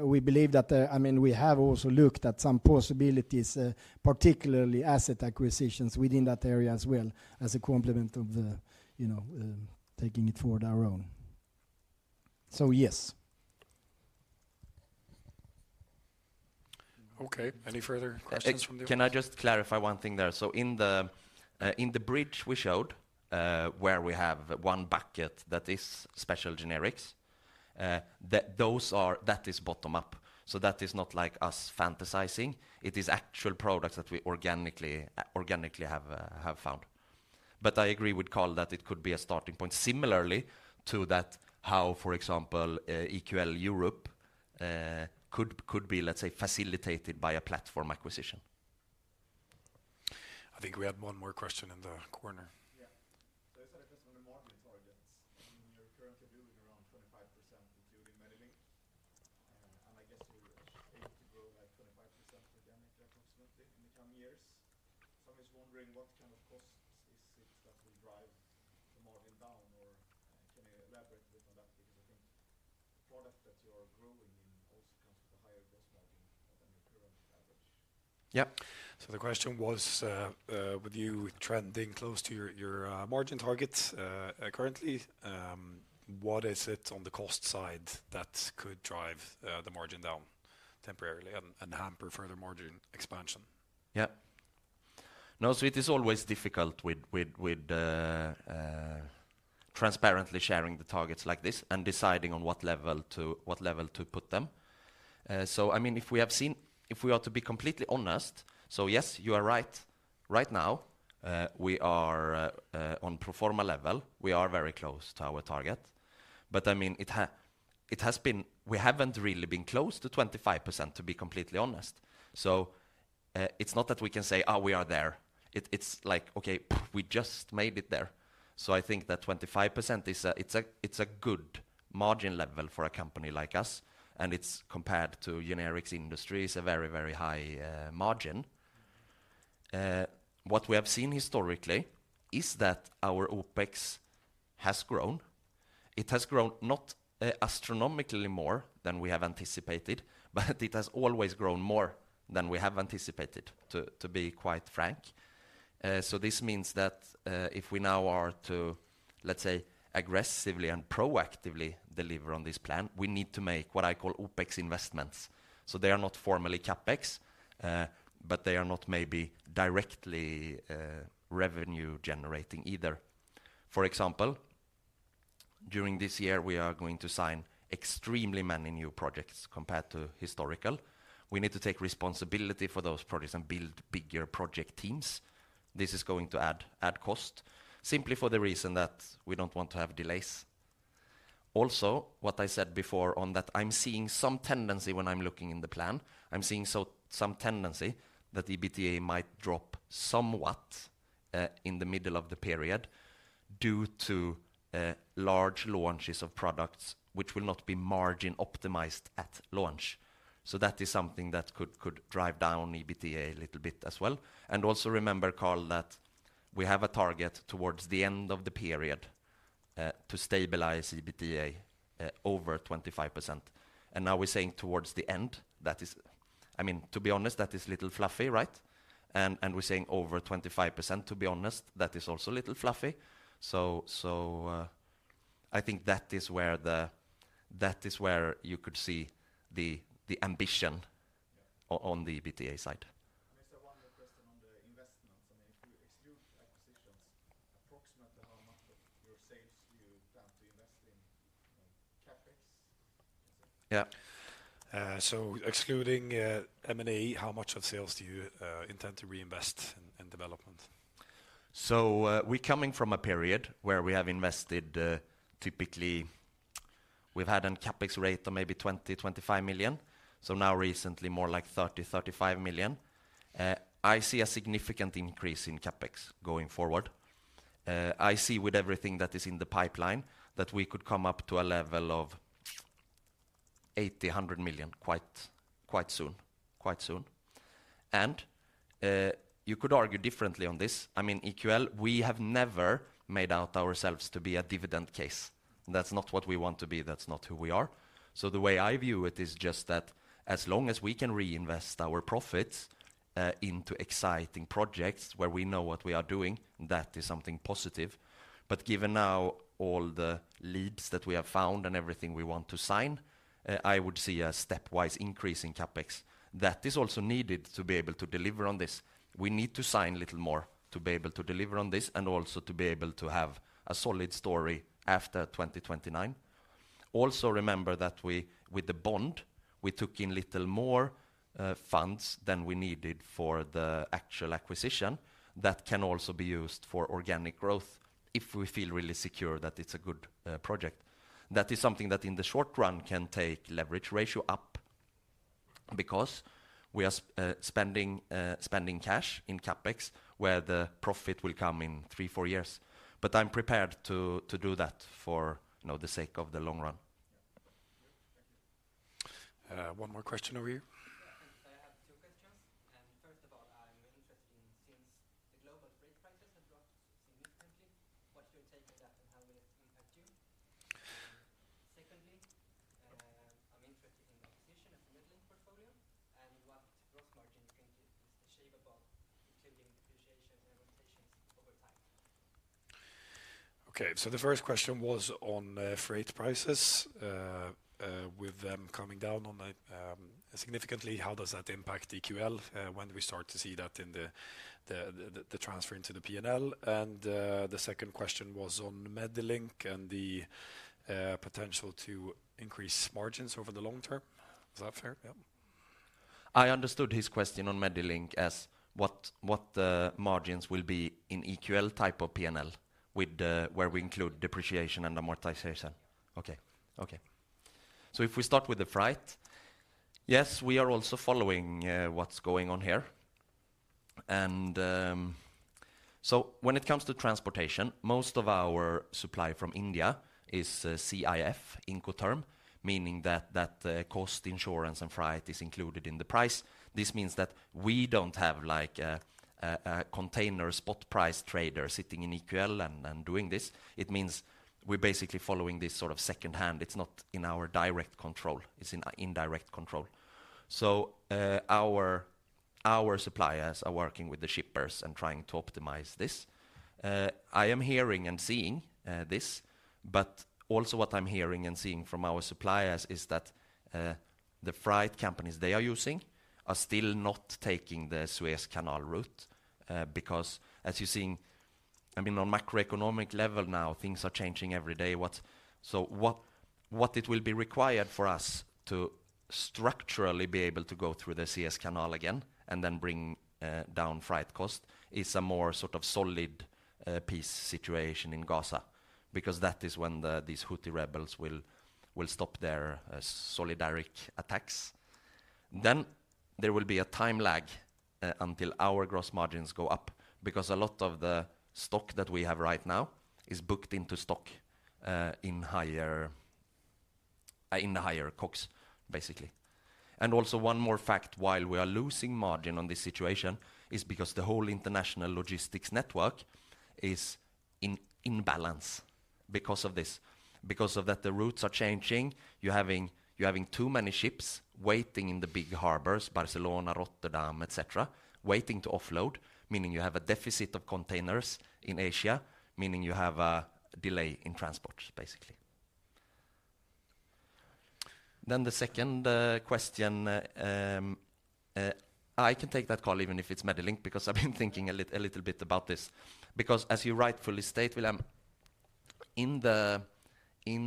We believe that, I mean, we have also looked at some possibilities, particularly asset acquisitions within that area as well, as a complement of taking it forward our own. Yes. Okay. Any further questions from the audience? Can I just clarify one thing there? In the bridge we showed where we have one bucket that is special generics, that is bottom-up. That is not like us fantasizing. It is actual products that we organically have found. I agree with Carl that it could be a starting point similarly to how, for example, EQL Europe could be, let's say, facilitated by a platform acquisition. I think we have one more question in the corner. Yeah. I said I just want to modulate audience. You're currently doing around 25%, including Medilink. I guess you're able to grow like 25% organic approximately in the coming years. I'm just wondering what kind of costs is it that will drive the margin down, or can you elaborate a bit on that? Because I think the product that you are growing in also comes with a higher cost margin than your current average. Yep. The question was, with you trending close to your margin targets currently, what is it on the cost side that could drive the margin down temporarily and hamper further margin expansion? Yeah. No, it is always difficult with transparently sharing the targets like this and deciding on what level to put them. I mean, if we are to be completely honest, yes, you are right. Right now, we are on pro forma level. We are very close to our target. I mean, it has been we haven't really been close to 25%, to be completely honest. It is not that we can say, "Oh, we are there." It is like, "Okay, we just made it there." I think that 25% is a good margin level for a company like us. Compared to the generics industry, it is a very, very high margin. What we have seen historically is that our OpEx has grown. It has grown not astronomically more than we have anticipated, but it has always grown more than we have anticipated, to be quite frank. This means that if we now are to, let's say, aggressively and proactively deliver on this plan, we need to make what I call OpEx investments. They are not formally CapEx, but they are not maybe directly revenue-generating either. For example, during this year, we are going to sign extremely many new projects compared to historical. We need to take responsibility for those projects and build bigger project teams. This is going to add cost, simply for the reason that we do not want to have delays. Also, what I said before on that, I am seeing some tendency when I am looking in the plan. I am seeing some tendency that EBITDA might drop somewhat in the middle of the period due to large launches of products which will not be margin-optimized at launch. That is something that could drive down EBITDA a little bit as well. Also remember, Carl, that we have a target towards the end of the period to stabilize EBITDA over 25%. Now we are saying towards the end, that is, I mean, to be honest, that is a little fluffy, right? We are saying over 25%, to be honest, that is also a little fluffy. I think that is where you could see the ambition on the EBITDA side. I guess I have one more question on the investments. I mean, excluding acquisitions, approximately how much of your sales do you plan to invest in CapEx? Yeah. Excluding M&A, how much of sales do you intend to reinvest in development? We're coming from a period where we have invested typically, we've had a CapEx rate of maybe 20 million-25 million. Now recently, more like 30 million-35 million. I see a significant increase in CapEx going forward. I see with everything that is in the pipeline that we could come up to a level of 80 million-100 million quite soon. You could argue differently on this. I mean, EQL Pharma, we have never made out ourselves to be a dividend case. That's not what we want to be. That's not who we are. The way I view it is just that as long as we can reinvest our profits into exciting projects where we know what we are doing, that is something positive. Given now all the leads that we have found and everything we want to sign, I would see a stepwise increase in CapEx. That is also needed to be able to deliver on this. We need to sign a little more to be able to deliver on this and also to be able to have a solid story after 2029. Also remember that with the bond, we took in a little more funds than we needed for the actual acquisition. That can also be used for organic growth if we feel really secure that it's a good project. That is something that in the short run can take leverage ratio up because we are spending cash in CapEx where the profit will come in three, four years. I am prepared to do that for the sake of the long run. One more question over here. I have two questions. First of all, I am interested in since the global freight prices have dropped significantly, what is your take on that and how will it impact you? Secondly, I am interested in the acquisition of the MediLink portfolio and what gross margin you can shave above, including depreciations and rotations over time. Okay. The first question was on freight prices. With them coming down significantly, how does that impact EQL Pharma when we start to see that in the transfer into the P&L? The second question was on Medilink and the potential to increase margins over the long term. Is that fair? Yeah. I understood his question on Medilink as what the margins will be in EQL type of P&L where we include depreciation and amortization. Okay. Okay. If we start with the freight, yes, we are also following what's going on here. When it comes to transportation, most of our supply from India is CIF, Incoterm, meaning that cost insurance and freight is included in the price. This means that we don't have a container spot price trader sitting in EQL and doing this. It means we're basically following this sort of secondhand. It's not in our direct control. It's in indirect control. Our suppliers are working with the shippers and trying to optimize this. I am hearing and seeing this, but also what I'm hearing and seeing from our suppliers is that the freight companies they are using are still not taking the Suez Canal route because, as you're seeing, I mean, on macroeconomic level now, things are changing every day. What it will be required for us to structurally be able to go through the Suez Canal again and then bring down freight cost is a more sort of solid peace situation in Gaza because that is when these Houthi rebels will stop their solidarity attacks. There will be a time lag until our gross margins go up because a lot of the stock that we have right now is booked into stock in the higher COGS, basically. Also, one more fact while we are losing margin on this situation is because the whole international logistics network is in imbalance because of this. Because of that, the routes are changing. You're having too many ships waiting in the big harbors, Barcelona, Rotterdam, etc., waiting to offload, meaning you have a deficit of containers in Asia, meaning you have a delay in transport, basically. The second question, I can take that call even if it's Medilink because I've been thinking a little bit about this. As you rightfully state, William, in the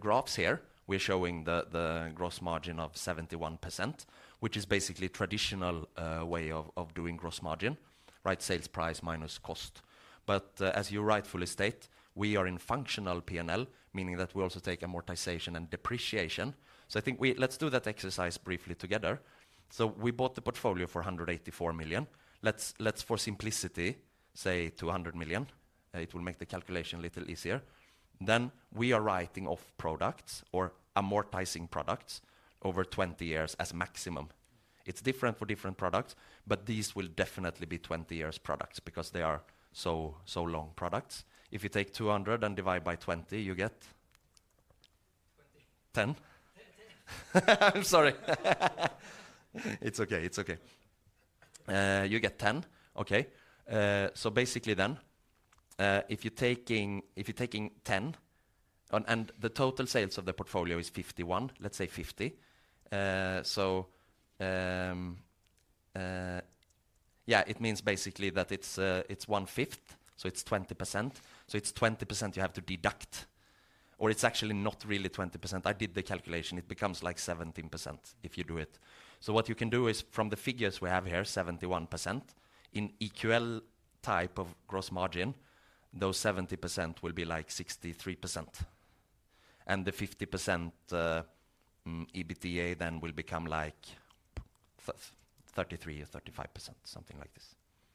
graphs here, we're showing the gross margin of 71%, which is basically a traditional way of doing gross margin, right? Sales price minus cost. As you rightfully state, we are in functional P&L, meaning that we also take amortization and depreciation. I think let's do that exercise briefly together. We bought the portfolio for 184 million. Let's, for simplicity, say 200 million. It will make the calculation a little easier. We are writing off products or amortizing products over 20 years as maximum. It's different for different products, but these will definitely be 20-year products because they are so long products. If you take 200 and divide by 20, you get? 20. 10. 10? I'm sorry. It's okay. It's okay. You get 10. Okay. Basically then, if you're taking 10 and the total sales of the portfolio is 51 million, let's say 50 million. Yeah, it means basically that it's one-fifth, so it's 20%. It's 20% you have to deduct, or it's actually not really 20%. I did the calculation. It becomes like 17% if you do it. What you can do is from the figures we have here, 71% in EQL type of gross margin, those 70% will be like 63%. The 50% EBITDA then will become like 33% or 35%, something like this. Still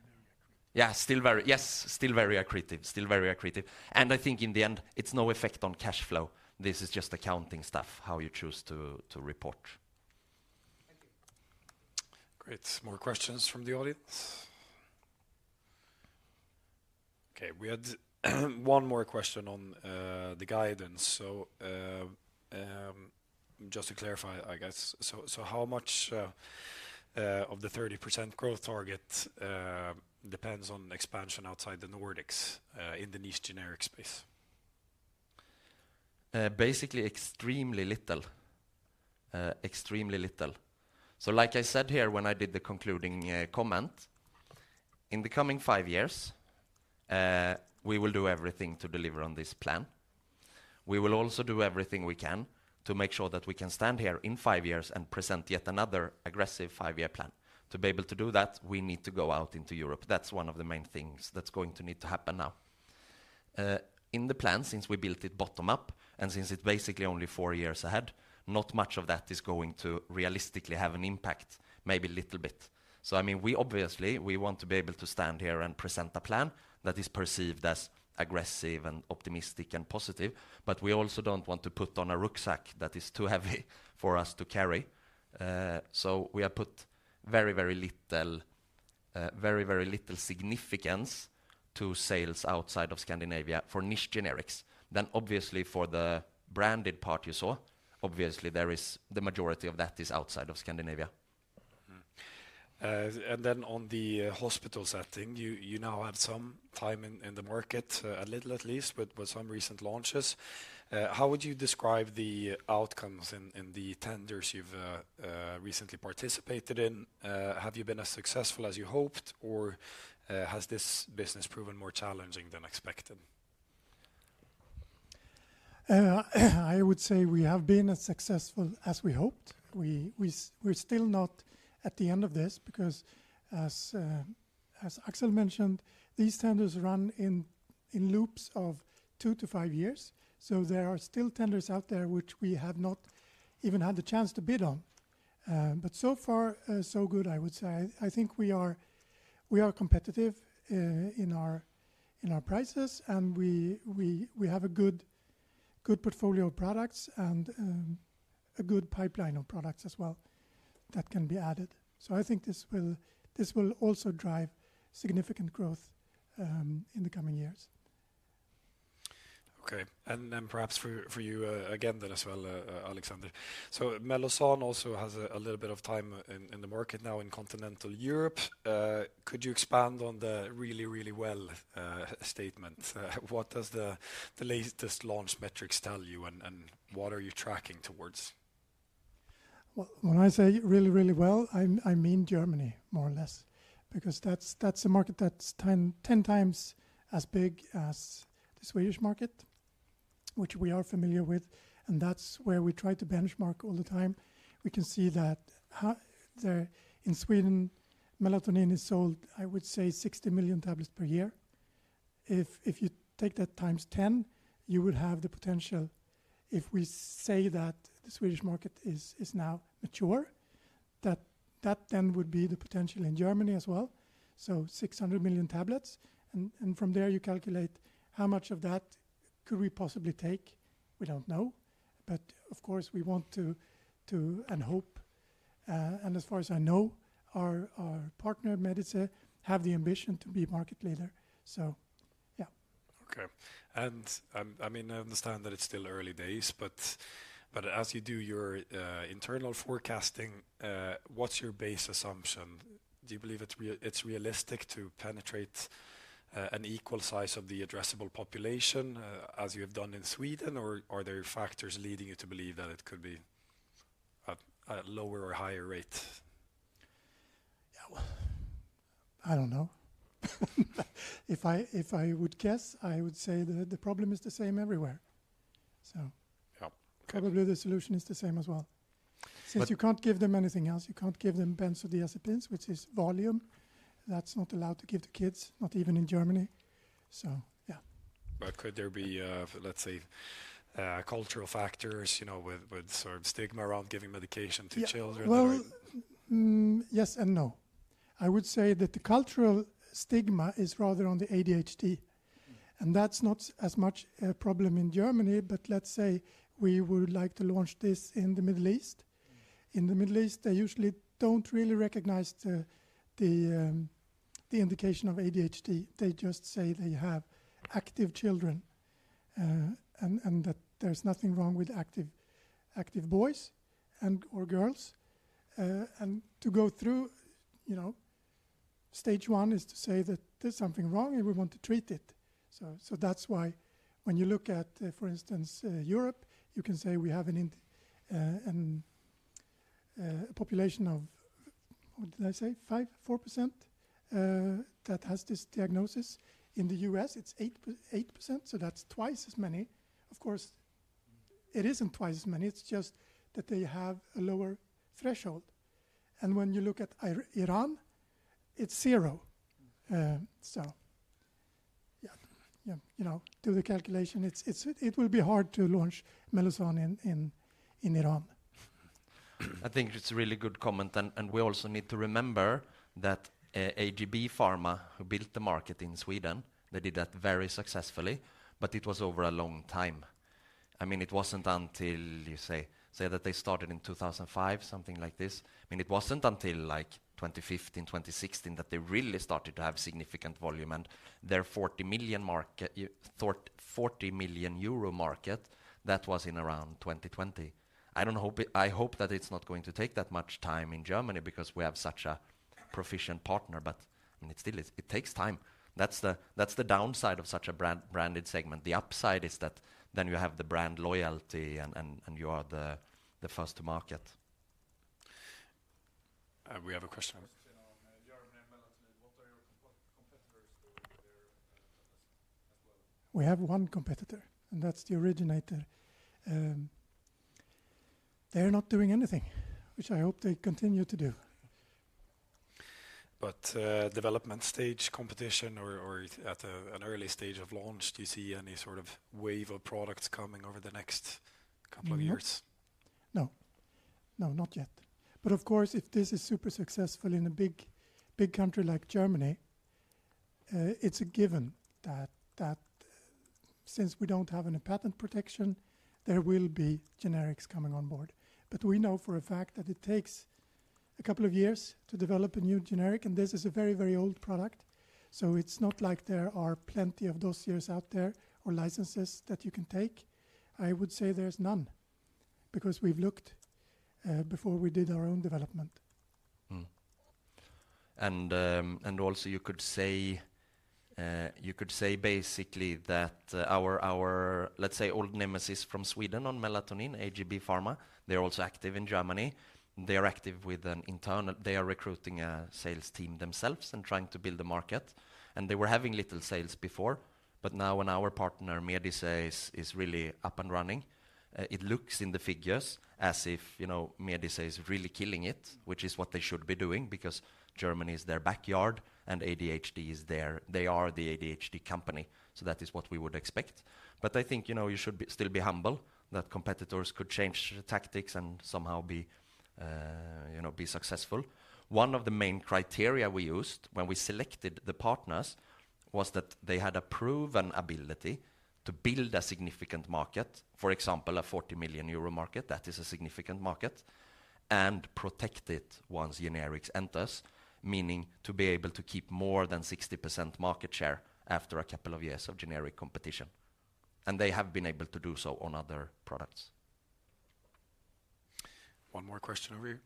very accretive. Yeah, still very, yes, still very accretive. Still very accretive. I think in the end, it's no effect on cash flow. This is just accounting stuff, how you choose to report. Thank you. Great. More questions from the audience? Okay. We had one more question on the guidance. Just to clarify, I guess, how much of the 30% growth target depends on expansion outside the Nordics in the niche generic space? Basically, extremely little. Extremely little. Like I said here when I did the concluding comment, in the coming five years, we will do everything to deliver on this plan. We will also do everything we can to make sure that we can stand here in five years and present yet another aggressive five-year plan. To be able to do that, we need to go out into Europe. That is one of the main things that is going to need to happen now. In the plan, since we built it bottom up and since it is basically only four years ahead, not much of that is going to realistically have an impact, maybe a little bit. I mean, obviously, we want to be able to stand here and present a plan that is perceived as aggressive and optimistic and positive, but we also do not want to put on a rucksack that is too heavy for us to carry. We have put very, very little, very, very little significance to sales outside of Scandinavia for niche generics. Obviously, for the branded part you saw, the majority of that is outside of Scandinavia. On the hospital setting, you now have some time in the market, at least a little, with some recent launches. How would you describe the outcomes in the tenders you have recently participated in? Have you been as successful as you hoped, or has this business proven more challenging than expected? I would say we have been as successful as we hoped. We are still not at the end of this because, as Axel mentioned, these tenders run in loops of two to five years. There are still tenders out there which we have not even had the chance to bid on. So far, so good, I would say. I think we are competitive in our prices, and we have a good portfolio of products and a good pipeline of products as well that can be added. I think this will also drive significant growth in the coming years. Okay. Perhaps for you again then as well, Alexander. Melloson also has a little bit of time in the market now in continental Europe. Could you expand on the really, really well statement? What does the latest launch metrics tell you, and what are you tracking towards? When I say really, really well, I mean Germany, more or less, because that's a market that's 10 times as big as the Swedish market, which we are familiar with. That's where we try to benchmark all the time. We can see that in Sweden, melatonin is sold, I would say, 60 million tablets per year. If you take that times 10, you would have the potential, if we say that the Swedish market is now mature, that then would be the potential in Germany as well. 600 million tablets. From there, you calculate how much of that could we possibly take. We don't know. Of course, we want to and hope. As far as I know, our partner, MEDICE, have the ambition to be a market leader. Yeah. Okay. I mean, I understand that it's still early days, but as you do your internal forecasting, what's your base assumption? Do you believe it's realistic to penetrate an equal size of the addressable population as you have done in Sweden, or are there factors leading you to believe that it could be at a lower or higher rate? Yeah. I don't know. If I would guess, I would say the problem is the same everywhere. Probably the solution is the same as well. Since you can't give them anything else, you can't give them benzodiazepines, which is Valium. That's not allowed to give to kids, not even in Germany. Yeah. Could there be, let's say, cultural factors with sort of stigma around giving medication to children? Yes and no. I would say that the cultural stigma is rather on the ADHD. That's not as much a problem in Germany, but let's say we would like to launch this in the Middle East. In the Middle East, they usually don't really recognize the indication of ADHD. They just say they have active children and that there's nothing wrong with active boys or girls. To go through stage one is to say that there's something wrong and we want to treat it. That's why when you look at, for instance, Europe, you can say we have a population of, what did I say, 5%, 4% that has this diagnosis. In the U.S., it's 8%. That's twice as many. Of course, it isn't twice as many. It's just that they have a lower threshold. When you look at Iran, it's zero. Yeah, do the calculation. It will be hard to launch Mellozzan in Iran. I think it's a really good comment. We also need to remember that AGB Pharma, who built the market in Sweden, did that very successfully, but it was over a long time. I mean, it wasn't until you say that they started in 2005, something like this. I mean, it wasn't until like 2015, 2016 that they really started to have significant volume. And their 40 million market, that was in around 2020. I hope that it's not going to take that much time in Germany because we have such a proficient partner, but I mean, it takes time. That's the downside of such a branded segment. The upside is that then you have the brand loyalty and you are the first to market. We have a question. What are your competitors doing there as well? We have one competitor, and that's the originator. They're not doing anything, which I hope they continue to do. But development stage competition or at an early stage of launch, do you see any sort of wave of products coming over the next couple of years? No. No, not yet. Of course, if this is super successful in a big country like Germany, it's a given that since we don't have any patent protection, there will be generics coming on board. We know for a fact that it takes a couple of years to develop a new generic, and this is a very, very old product. It's not like there are plenty of dossiers out there or licenses that you can take. I would say there's none because we've looked before we did our own development. You could say basically that our, let's say, old nemesis from Sweden on melatonin, AGB Pharma, they're also active in Germany. They are active with an internal, they are recruiting a sales team themselves and trying to build a market. They were having little sales before, but now when our partner, MEDICE, is really up and running, it looks in the figures as if Medice is really killing it, which is what they should be doing because Germany is their backyard and ADHD is there. They are the ADHD company. That is what we would expect. I think you should still be humble that competitors could change tactics and somehow be successful. One of the main criteria we used when we selected the partners was that they had a proven ability to build a significant market, for example, a 40 million euro market. That is a significant market and protect it once generics enters, meaning to be able to keep more than 60% market share after a couple of years of generic competition. They have been able to do so on other products. One more question over here.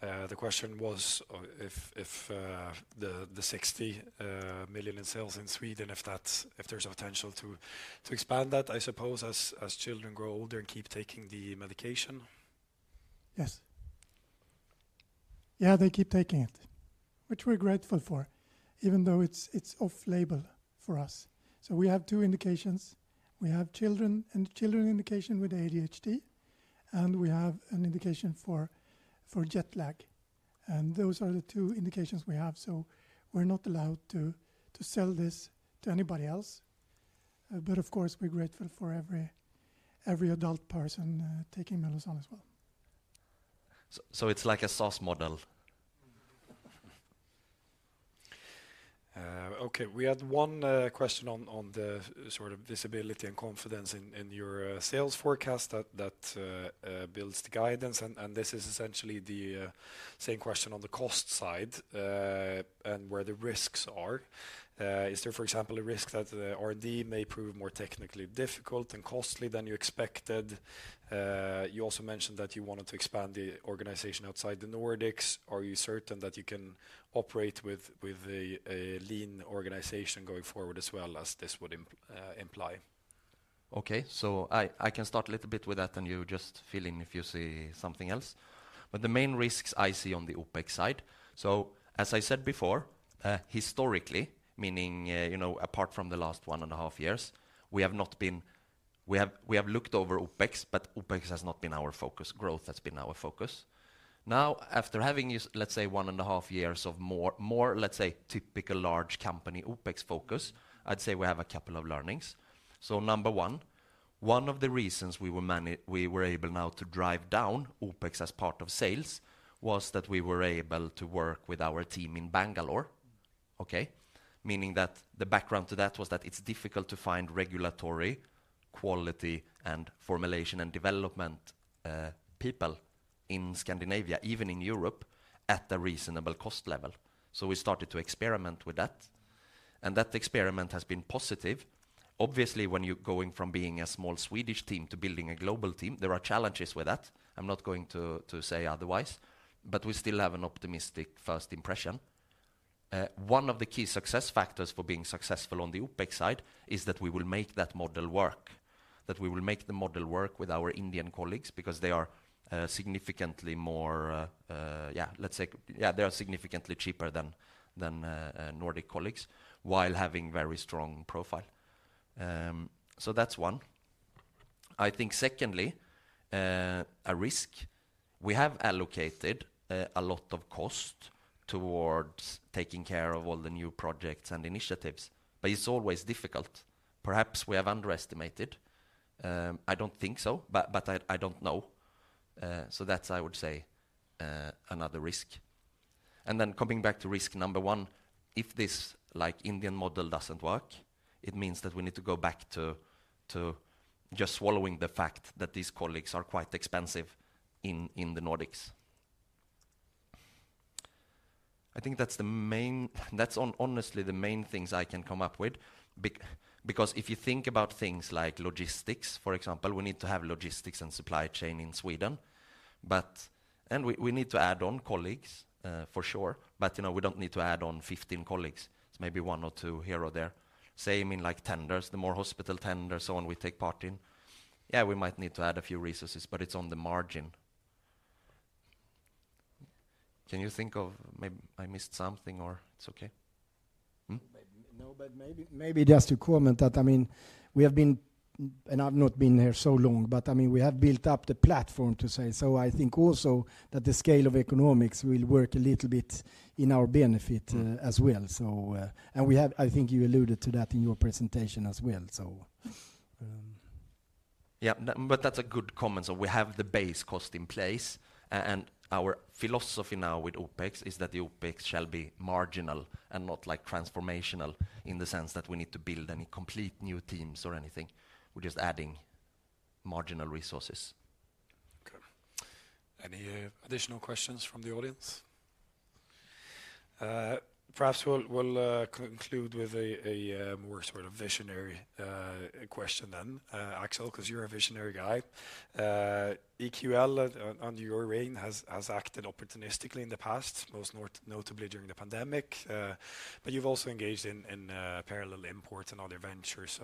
The SEK 60 million in Sweden sold seems high. Is there any indication that these children, when they grow up to become teens and adults, that they keep taking the same brand even when they are grown up, or is it only children that you see that the market is kind of stuck at? The question was if the SEK 60 million in sales in Sweden, if there's a potential to expand that, I suppose, as children grow older and keep taking the medication. Yes. Yeah, they keep taking it, which we're grateful for, even though it's off-label for us. We have two indications. We have children and children indication with ADHD, and we have an indication for jet lag. Those are the two indications we have. We are not allowed to sell this to anybody else. Of course, we're grateful for every adult person taking Mellozzan as well. It's like a SOS model. Okay. We had one question on the sort of visibility and confidence in your sales forecast that builds the guidance. This is essentially the same question on the cost side and where the risks are. Is there, for example, a risk that the R&D may prove more technically difficult and costly than you expected? You also mentioned that you wanted to expand the organization outside the Nordics. Are you certain that you can operate with a lean organization going forward as well as this would imply? Okay. I can start a little bit with that, and you just fill in if you see something else. The main risks I see on the OpEx side. As I said before, historically, meaning apart from the last one and a half years, we have not been, we have looked over OpEx, but OpEx has not been our focus. Growth has been our focus. Now, after having, let's say, one and a half years of more, let's say, typical large company OpEx focus, I'd say we have a couple of learnings. Number one, one of the reasons we were able now to drive down OpEx as part of sales was that we were able to work with our team in Bangalore, okay? Meaning that the background to that was that it's difficult to find regulatory quality and formulation and development people in Scandinavia, even in Europe, at a reasonable cost level. We started to experiment with that. That experiment has been positive. Obviously, when you're going from being a small Swedish team to building a global team, there are challenges with that. I'm not going to say otherwise, but we still have an optimistic first impression. One of the key success factors for being successful on the OpEx side is that we will make that model work, that we will make the model work with our Indian colleagues because they are significantly more, yeah, let's say, yeah, they are significantly cheaper than Nordic colleagues while having a very strong profile. So that's one. I think secondly, a risk. We have allocated a lot of cost towards taking care of all the new projects and initiatives, but it's always difficult. Perhaps we have underestimated. I don't think so, but I don't know. That's, I would say, another risk. Then coming back to risk number one, if this Indian model does not work, it means that we need to go back to just swallowing the fact that these colleagues are quite expensive in the Nordics. I think that is honestly the main things I can come up with because if you think about things like logistics, for example, we need to have logistics and supply chain in Sweden. We need to add on colleagues, for sure, but we do not need to add on 15 colleagues. It is maybe one or two here or there. Same in tenders, the more hospital tenders, and so on, we take part in. Yeah, we might need to add a few resources, but it is on the margin. Can you think of maybe I missed something or it is okay? No, but maybe just to comment that, I mean, we have been, and I've not been here so long, but I mean, we have built up the platform to say. I think also that the scale of economics will work a little bit in our benefit as well. I think you alluded to that in your presentation as well. Yeah, but that's a good comment. We have the base cost in place. Our philosophy now with OpEx is that the OpEx shall be marginal and not transformational in the sense that we need to build any complete new teams or anything. We're just adding marginal resources. Okay. Any additional questions from the audience? Perhaps we'll conclude with a more sort of visionary question then, Axel, because you're a visionary guy. EQL under your reign has acted opportunistically in the past, most notably during the pandemic. You have also engaged in parallel imports and other ventures.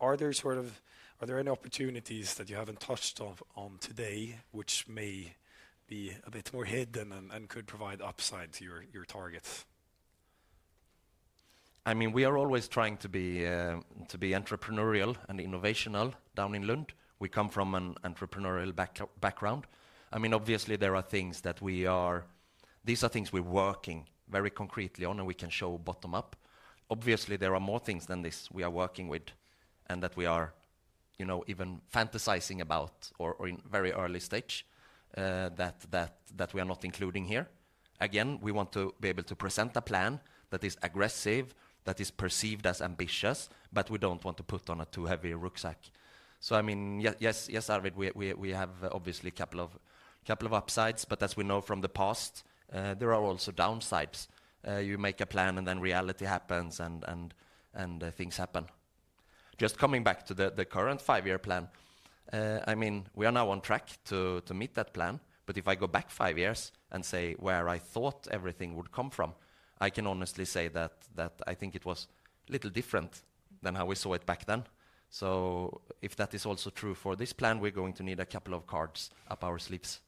Are there any opportunities that you have not touched on today, which may be a bit more hidden and could provide upside to your targets? I mean, we are always trying to be entrepreneurial and innovational down in Lund. We come from an entrepreneurial background. I mean, obviously, there are things that we are, these are things we are working very concretely on and we can show bottom up. Obviously, there are more things than this we are working with and that we are even fantasizing about or in very early stage that we are not including here. Again, we want to be able to present a plan that is aggressive, that is perceived as ambitious, but we do not want to put on a too heavy rucksack. I mean, yes, Arvid, we have obviously a couple of upsides, but as we know from the past, there are also downsides. You make a plan and then reality happens and things happen. Just coming back to the current five-year plan, I mean, we are now on track to meet that plan. If I go back five years and say where I thought everything would come from, I can honestly say that I think it was a little different than how we saw it back then. If that is also true for this plan, we're going to need a couple of cards up our sleeves.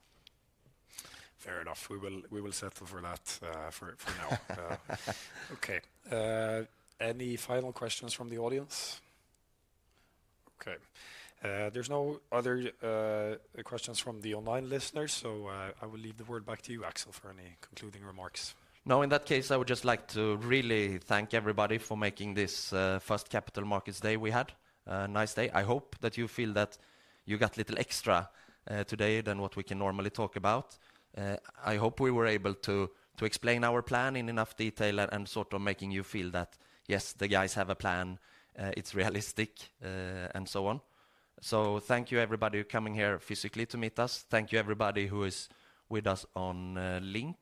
Fair enough. We will settle for that for now. Okay. Any final questions from the audience? Okay. There's no other questions from the online listeners, so I will leave the word back to you, Axel, for any concluding remarks. No, in that case, I would just like to really thank everybody for making this first Capital Markets Day we had. Nice day. I hope that you feel that you got a little extra today than what we can normally talk about. I hope we were able to explain our plan in enough detail and sort of making you feel that, yes, the guys have a plan, it's realistic, and so on. Thank you, everybody, who are coming here physically to meet us. Thank you, everybody, who is with us on Link.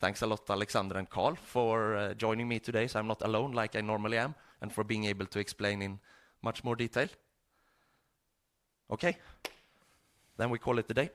Thanks a lot, Alexander and Carl, for joining me today so I'm not alone like I normally am and for being able to explain in much more detail. Okay. We call it a day.